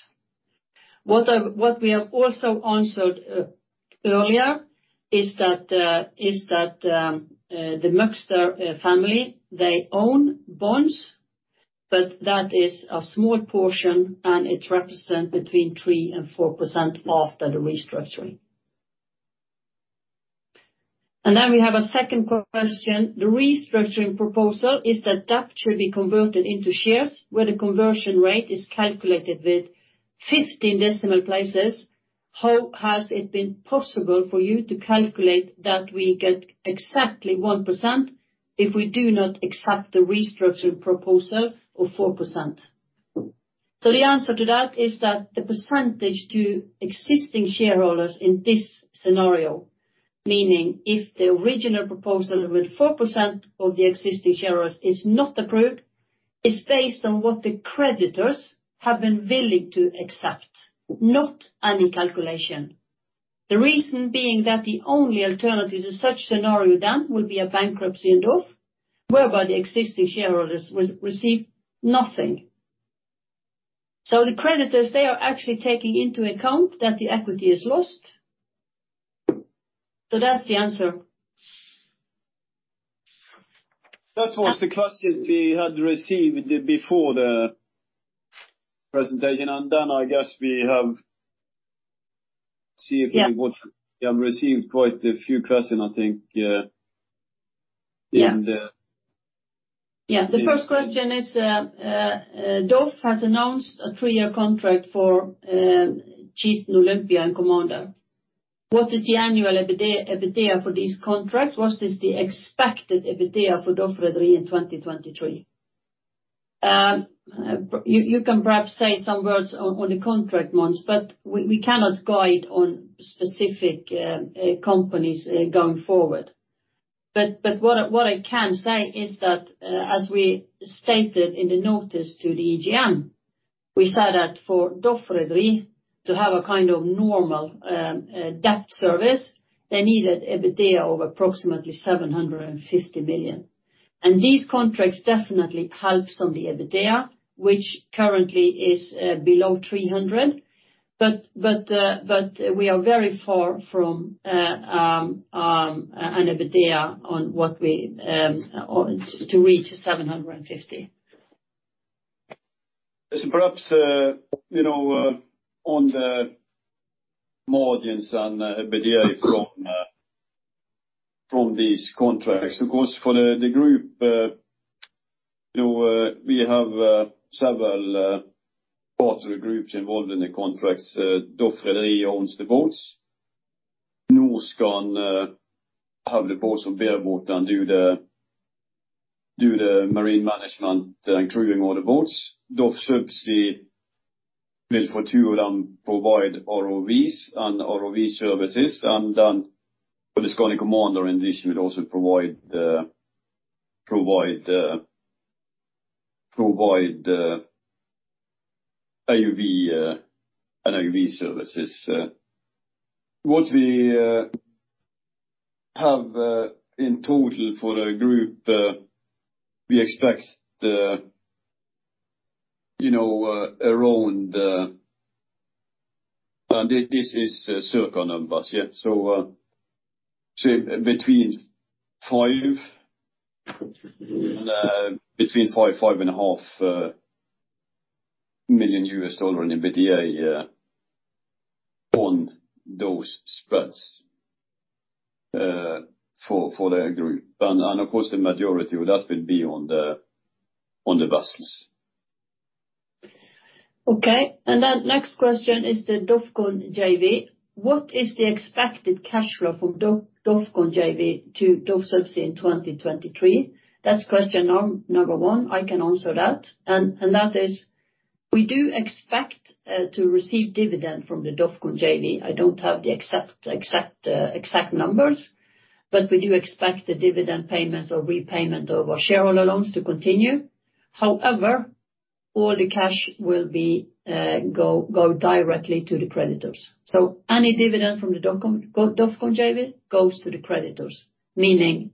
What we have also answered earlier is that the Møgster family, they own bonds, but that is a small portion, and it represent between 3% and 4% after the restructuring. Then we have a second question. The restructuring proposal is that debt should be converted into shares, where the conversion rate is calculated with 15 decimal places. How has it been possible for you to calculate that we get exactly 1% if we do not accept the restructuring proposal of 4%? The answer to that is that the percentage to existing shareholders in this scenario, meaning if the original proposal with 4% of the existing shareholders is not approved, is based on what the creditors have been willing to accept, not any calculation. The reason being that the only alternative to such scenario then will be a bankruptcy involved, whereby the existing shareholders will receive nothing. The creditors, they are actually taking into account that the equity is lost. That's the answer. That was the questions we had received before the presentation. I guess we have to see if we would have received quite a few questions, I think. Yeah. in the The first question is, DOF has announced a three-year contract for Skandi Olympia and Commander. What is the annual EBITDA for this contract? What is the expected EBITDA for DOF Rederi in 2023? You can perhaps say some words on the contract, Mons, but we cannot guide on specific companies going forward. What I can say is that, as we stated in the notice to the EGM, we said that for DOF Rederi to have a kind of normal debt service, they needed EBITDA of approximately 750 million. These contracts definitely helps on the EBITDA, which currently is below 300 million. We are very far from an EBITDA on what we to reach 750. Perhaps, you know, on the margins and EBITDA from these contracts, of course, for the group, you know, we have several parts of the groups involved in the contracts. DOF Rederi owns the boats. Norskan have the boats on bareboat and do the marine management and crewing all the boats. DOF Subsea will for two of them provide ROVs and ROV services, and then for the Skandi Commander in this will also provide AUV and AUV services. What we have in total for the group, we expect, you know, around. This is circa numbers. Yeah. Between five. Mm-hmm. Between $5million-$5.5 million in EBITDA on those spreads for the group. Of course, the majority of that will be on the vessels. Okay. Next question is the DOFCON JV. What is the expected cash flow from DOFCON JV to DOF Subsea in 2023? That's question number one. I can answer that. That is, we do expect to receive dividend from the DOFCON JV. I don't have the exact numbers, but we do expect the dividend payments or repayment of our shareholder loans to continue. However, all the cash will go directly to the creditors. So any dividend from the DOFCON JV goes to the creditors, meaning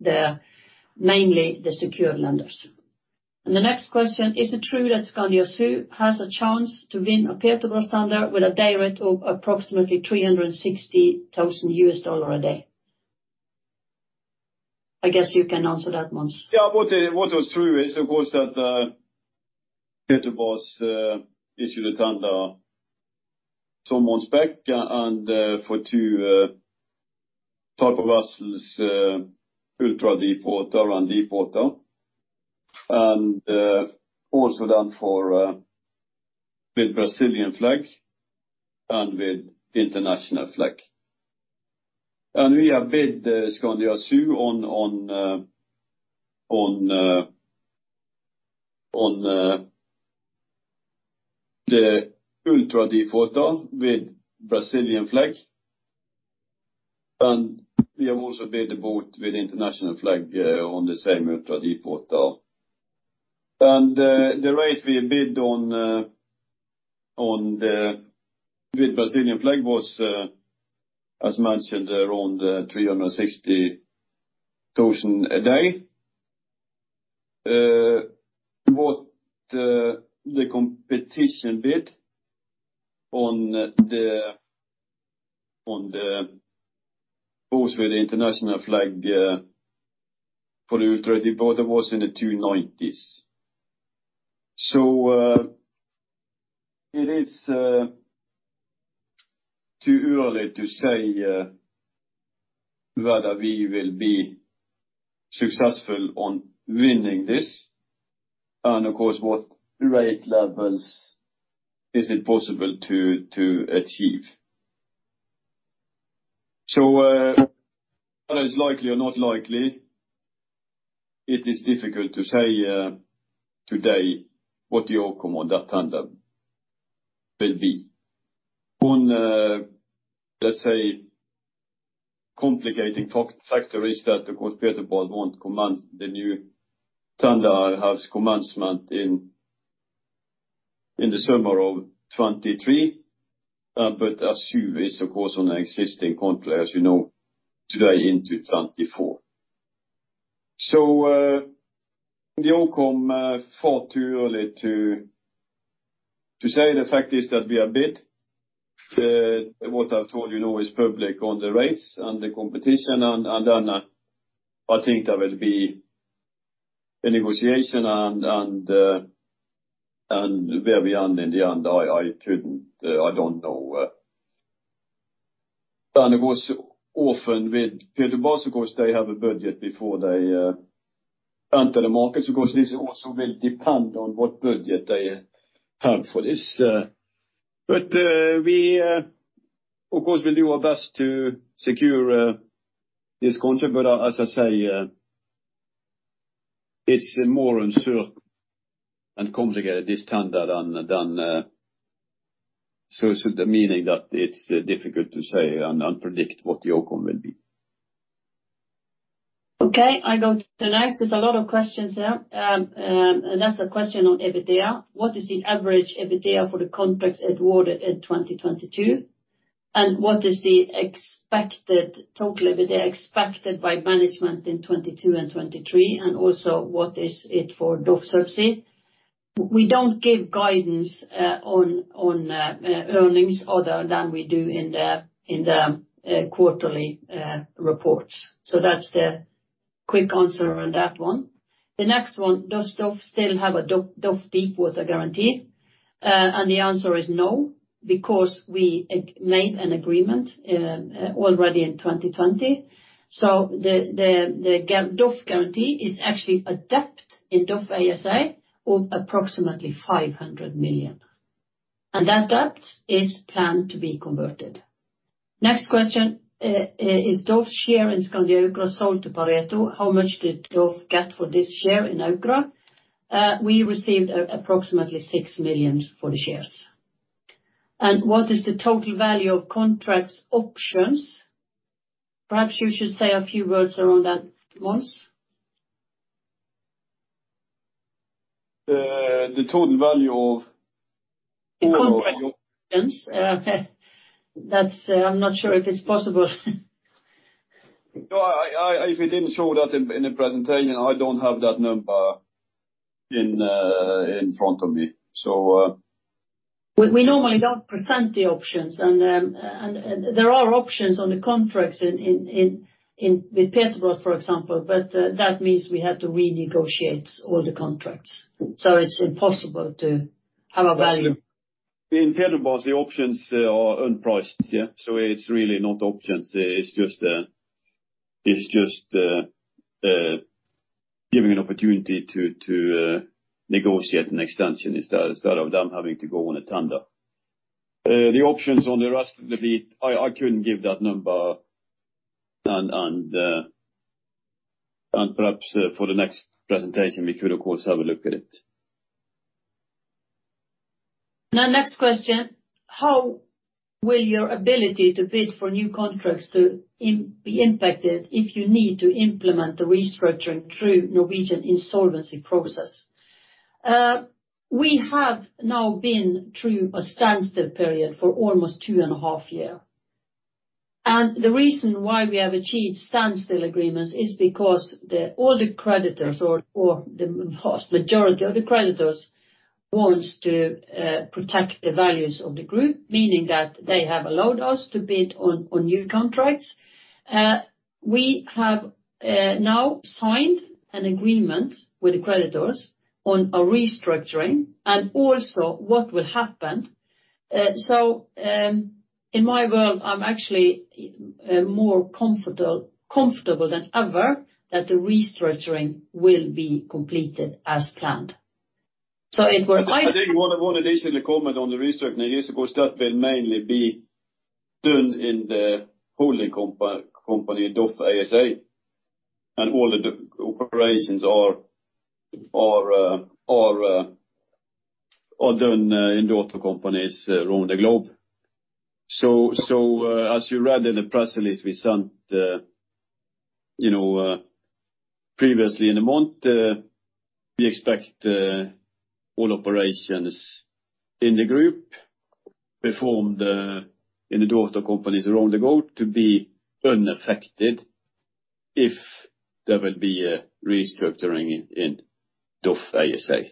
mainly the secured lenders. Next question, is it true that Skandi Açu has a chance to win a Petrobras tender with a dayrate of approximately $360,000 a day? I guess you can answer that, Mons. Yeah. What is true is, of course, that Petrobras issued a tender two months back for two types of vessels, ultra deepwater and deepwater. Also for vessels with Brazilian flag and with international flag. We have bid Skandi Açu on the ultra deepwater with Brazilian flag. We have also bid the boat with international flag on the same ultra deepwater. The rate we bid on with Brazilian flag was, as mentioned, around $360,000 a day. But the competition bid on the boats with international flag for the ultra deepwater was in the $290,000s. It is too early to say whether we will be successful on winning this and of course, what rate levels is it possible to achieve. Whether it's likely or not likely, it is difficult to say today what the outcome on that tender will be. One complicating factor is that, of course, Petrobras won't commence. The new tender has commencement in the summer of 2023. But it is of course on an existing contract, as you know, today into 2024. The outcome is far too early to say. The fact is that we have bid what I've told you now is public on the rates and the competition and I think there will be a negotiation and where we end in the end. I couldn't. I don't know. It goes often with Petrobras. Of course they have a budget before they enter the market. Of course this also will depend on what budget they have for this. Of course we will do our best to secure this contract. As I say, it's more unsure and complicated this time than usual. So the meaning that it's difficult to say and predict what the outcome will be. Okay, I go to the next. There's a lot of questions there. That's a question on EBITDA. What is the average EBITDA for the contracts awarded in 2022? And what is the expected total EBITDA expected by management in 2022 and 2023? And also, what is it for DOF Subsea? We don't give guidance on earnings other than we do in the quarterly reports. That's the quick answer on that one. The next one, does DOF still have a DOF Deepwater guarantee? The answer is no, because we made an agreement already in 2020. The DOF guarantee is actually a debt in DOF ASA of approximately 500 million. That debt is planned to be converted. Next question. Is DOF's share in Skandi Aukra sold to Pareto? How much did DOF get for this share in Aukra? We received approximately 6 million for the shares. What is the total value of contracts options? Perhaps you should say a few words around that, Mons. The total value of. The contract options. That's. I'm not sure if it's possible. No, if we didn't show that in the presentation, I don't have that number in front of me. We normally don't present the options. There are options on the contracts in with Petrobras, for example. That means we have to renegotiate all the contracts. It's impossible to have a value. In Petrobras, the options are unpriced, yeah. It's really not options. It's just giving an opportunity to negotiate an extension instead of them having to go on a tender. The options on the rest of the bid, I couldn't give that number. Perhaps for the next presentation, we could of course have a look at it. Now next question. How will your ability to bid for new contracts be impacted if you need to implement the restructuring through Norwegian insolvency process? We have now been through a standstill period for almost two and a half years. The reason why we have achieved standstill agreements is because all the creditors or the vast majority of the creditors wants to protect the values of the group, meaning that they have allowed us to bid on new contracts. We have now signed an agreement with the creditors on a restructuring and also what will happen. In my world, I'm actually more comfortable than ever that the restructuring will be completed as planned. It will. I think one additional comment on the restructuring. I guess, of course, that will mainly be done in the holding company, DOF ASA, and all the operations are done in the other companies around the globe. As you read in the press release we sent, you know, previously in the month, we expect all operations in the group performed in the daughter companies around the globe to be unaffected if there will be a restructuring in DOF ASA.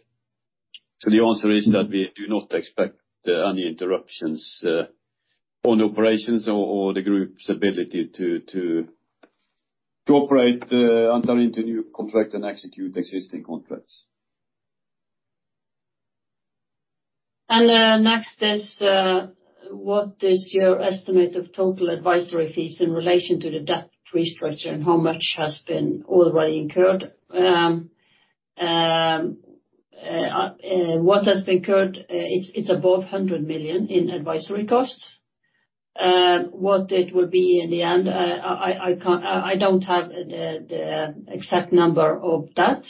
The answer is that we do not expect any interruptions on operations or the group's ability to operate, enter into new contract and execute existing contracts. Next is, what is your estimate of total advisory fees in relation to the debt restructure and how much has been already incurred? What has been incurred, it's above 100 million in advisory costs. What it will be in the end, I can't—I don't have the exact number of that.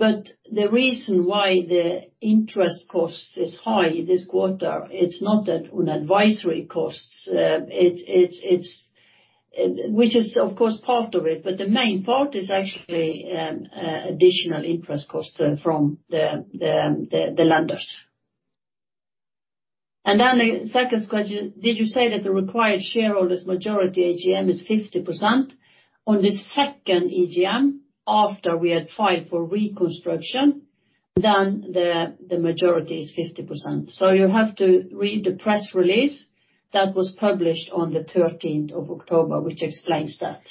But the reason why the interest cost is high this quarter, it's not that on advisory costs. It's, which is of course part of it, but the main part is actually additional interest costs from the lenders. The second question, did you say that the required shareholders majority AGM is 50%? On the second AGM after we had filed for reconstruction, then the majority is 50%. You have to read the press release that was published on the thirteenth of October, which explains that.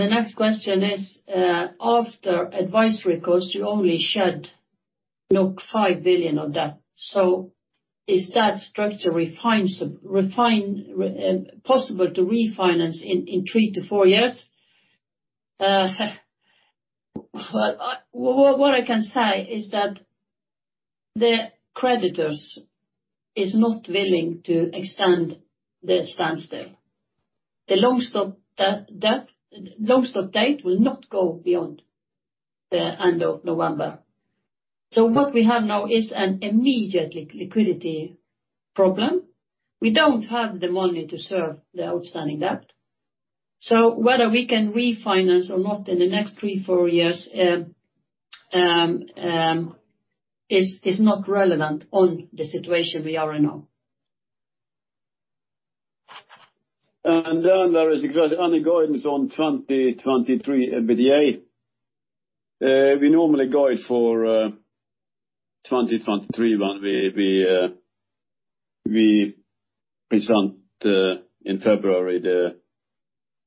The next question is, after advisory costs, you only shed 5 billion of debt. Is that structure possible to refinance in three-four years? What I can say is that the creditors is not willing to extend the standstill. The long stop debt, long stop date will not go beyond the end of November. What we have now is an immediate liquidity problem. We don't have the money to serve the outstanding debt. Whether we can refinance or not in the next three-four years is not relevant on the situation we are in now. There is a question: any guidance on 2023 EBITDA. We normally guide for 2023 when we present in February the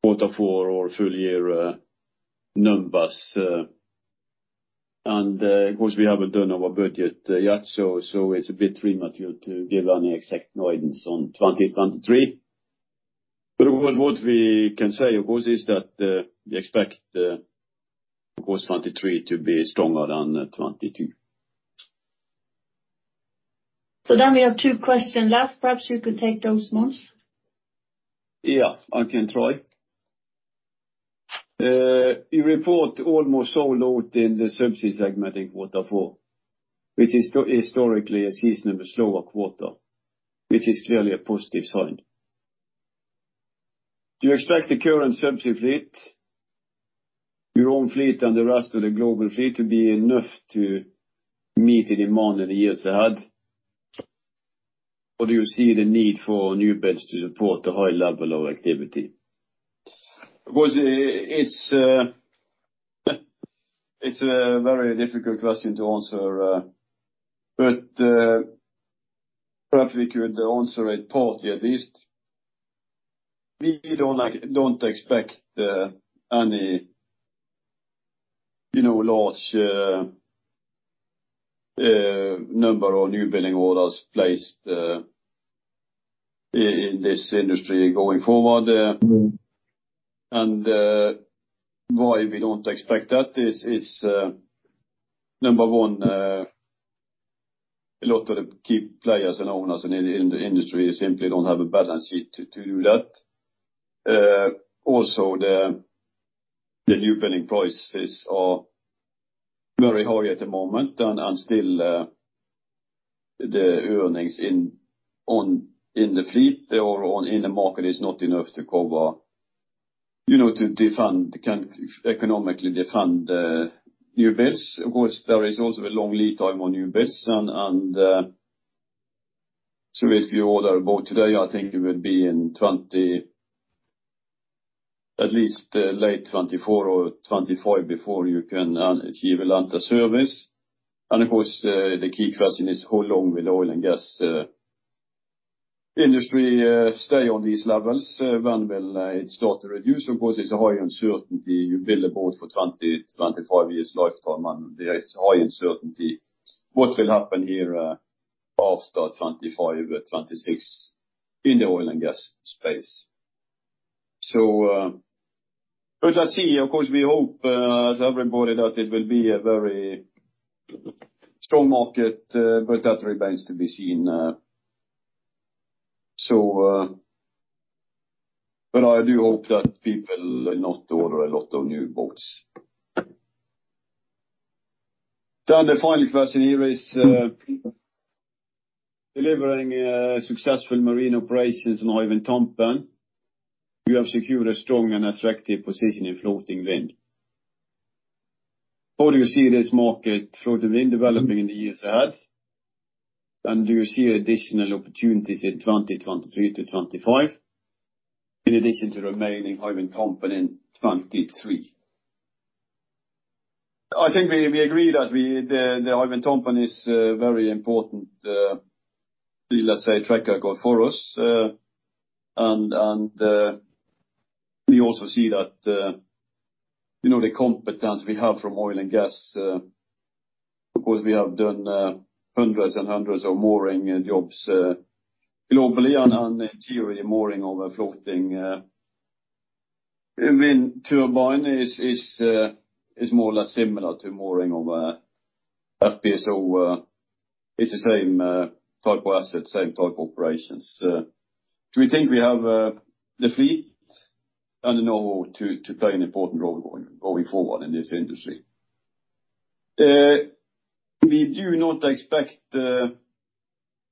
quarter four or full year numbers. Of course, we haven't done our budget yet, so it's a bit premature to give any exact guidance on 2023. What we can say, of course, is that we expect 2023 to be stronger than 2022. We have two questions left. Perhaps you could take those ones. Yeah, I can try. You reported almost no loss in the subsea segment in quarter four, which is historically a seasonally slower quarter, which is clearly a positive sign. Do you expect the current subsea fleet, your own fleet and the rest of the global fleet, to be enough to meet any demand in the years ahead? Or do you see the need for new builds to support the high level of activity? Because it's a very difficult question to answer, but perhaps we could answer it partly at least. We don't expect any, you know, large number of new building orders placed in this industry going forward. Why we don't expect that is number one, a lot of the key players and owners in the industry simply don't have the balance sheet to do that. Also, the newbuilding prices are very high at the moment and still, the earnings in the fleet or in the market is not enough to cover, you know, to economically defend new builds. Of course, there is also a long lead time on new builds and if you order a boat today, I think it will be at least late 2024 or 2025 before you can achieve it under service. Of course, the key question is how long will the oil and gas industry stay on these levels? When will it start to reduce? Of course, it's a high uncertainty. You build a boat for 20-25 years lifetime and there is high uncertainty what will happen here after 2025, 2026 in the oil and gas space. Let's see. Of course, we hope as everybody that it will be a very strong market, but that remains to be seen. I do hope that people will not order a lot of new boats. The final question here is delivering successful marine operations on Hywind Tampen, you have secured a strong and attractive position in floating wind. How do you see this market, floating wind, developing in the years ahead? And do you see additional opportunities in 2023-2025 in addition to remaining Hywind Tampen in 2023? I think we agree that the Hywind Tampen is very important, let's say, project for us. We also see that you know the competence we have from oil and gas, of course, we have done hundreds and hundreds of mooring jobs globally. In theory, the mooring of a floating wind turbine is more or less similar to mooring of a FPSO. It's the same type of asset, same type of operations. We think we have the fleet and the knowhow to play an important role going forward in this industry. We do not expect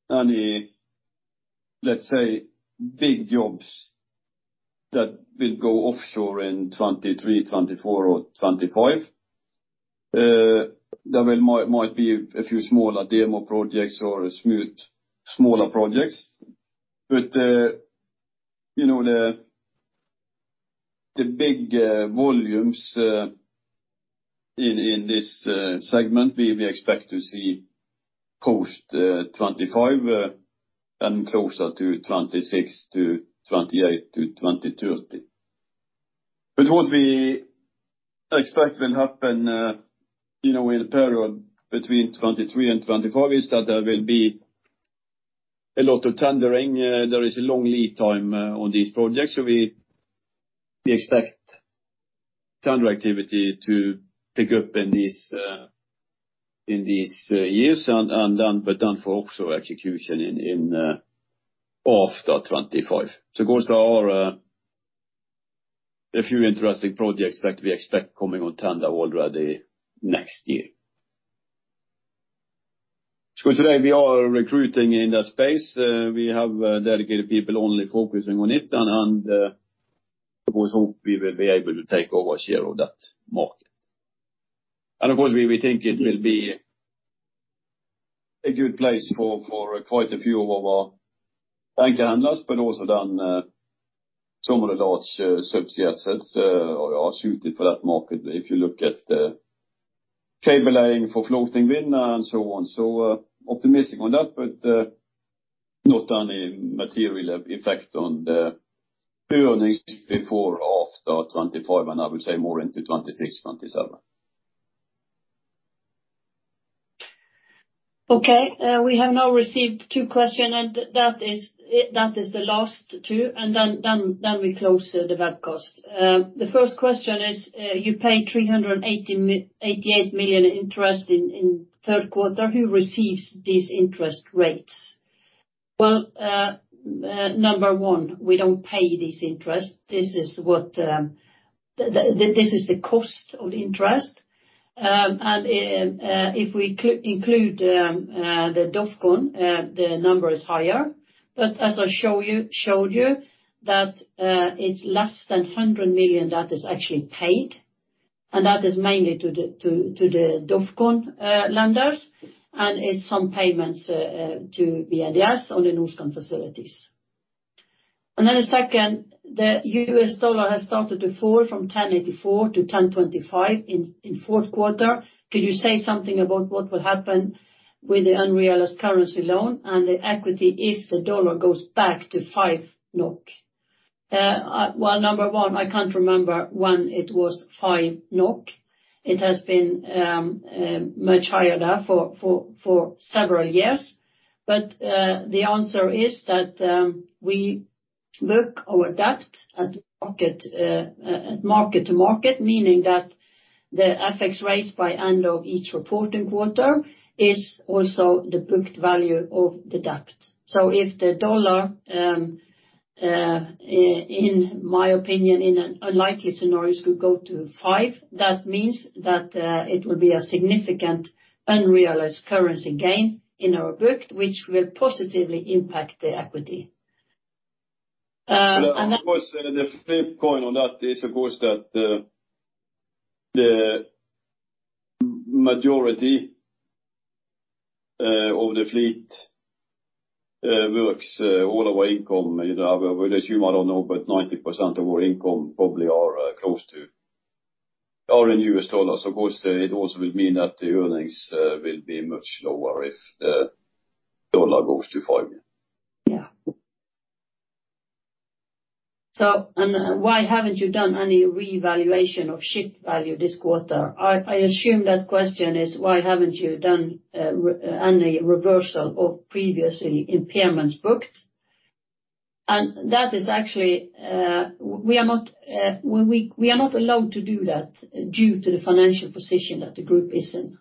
any, let's say, big jobs that will go offshore in 2023, 2024 or 2025. There might be a few smaller demo projects or some smaller projects. You know, the big volumes in this segment we expect to see post 2025 and closer to 2026-2028-2030. What we expect will happen in the period between 2023 and 2025 is that there will be a lot of tendering. There is a long lead time on these projects. We expect tender activity to pick up in these years and then for execution also in after 2025. Of course there are a few interesting projects that we expect coming on tender already next year. Today we are recruiting in that space. We have dedicated people only focusing on it and we hope we will be able to take our share of that market. Of course we think it will be a good place for quite a few of our anchor handlers but also then some of the large subsea assets are suited for that market. If you look at the cable laying for floating wind and so on, optimistic on that but not any material effect on the earnings before after 2025 and I would say more into 2026, 2027. We have now received two questions and that is the last two and then we close the webcast. The first question is, you paid 388 million interest in third quarter. Who receives these interest rates? Well, number one, we don't pay this interest. This is what this is the cost of interest. And if we include the DOF Group, the number is higher. But as I showed you that it's less than 100 million that is actually paid, and that is mainly to the DOF Group lenders, and it's some payments to BNDES on the Norskan facilities. The second, the U.S. dollar has started to fall from 10.84-10.25 in fourth quarter. Could you say something about what will happen with the unrealized currency loss and the equity if the dollar goes back to 5 NOK? Well, number one, I can't remember when it was 5 NOK. It has been much higher now for several years. The answer is that we book our debt at mark-to-market, meaning that the FX rates by analogy each reporting quarter is also the booked value of the debt. So if the dollar, in my opinion, in an unlikely scenario, could go to five, that means that it will be a significant unrealized currency gain in our book, which will positively impact the equity. Of course, the flip side of that is of course that the majority of the fleet works all of our income. You know, I would assume, I don't know, but 90% of our income probably are in U.S. dollars. Of course, it also would mean that the earnings will be much lower if the dollar goes to five. Why haven't you done any revaluation of ship value this quarter? I assume that question is why haven't you done any reversal of previous impairments booked? That is actually we are not allowed to do that due to the financial position that the group is in.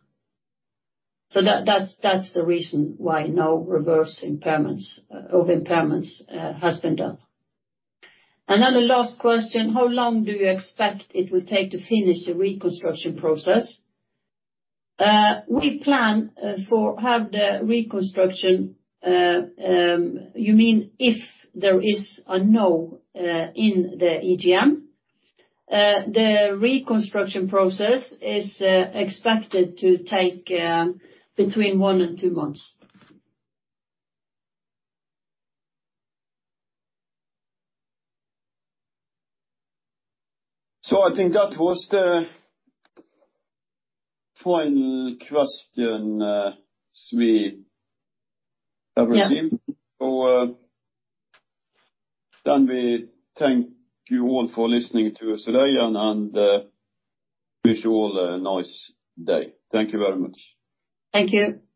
That is the reason why no reversal of impairments has been done. The last question, how long do you expect it will take to finish the reconstruction process? We plan to have the reconstruction. You mean if there is a no in the EGM? The reconstruction process is expected to take between one and two months. I think that was the final question we have received. Yeah. We thank you all for listening to us today and wish you all a nice day. Thank you very much. Thank you.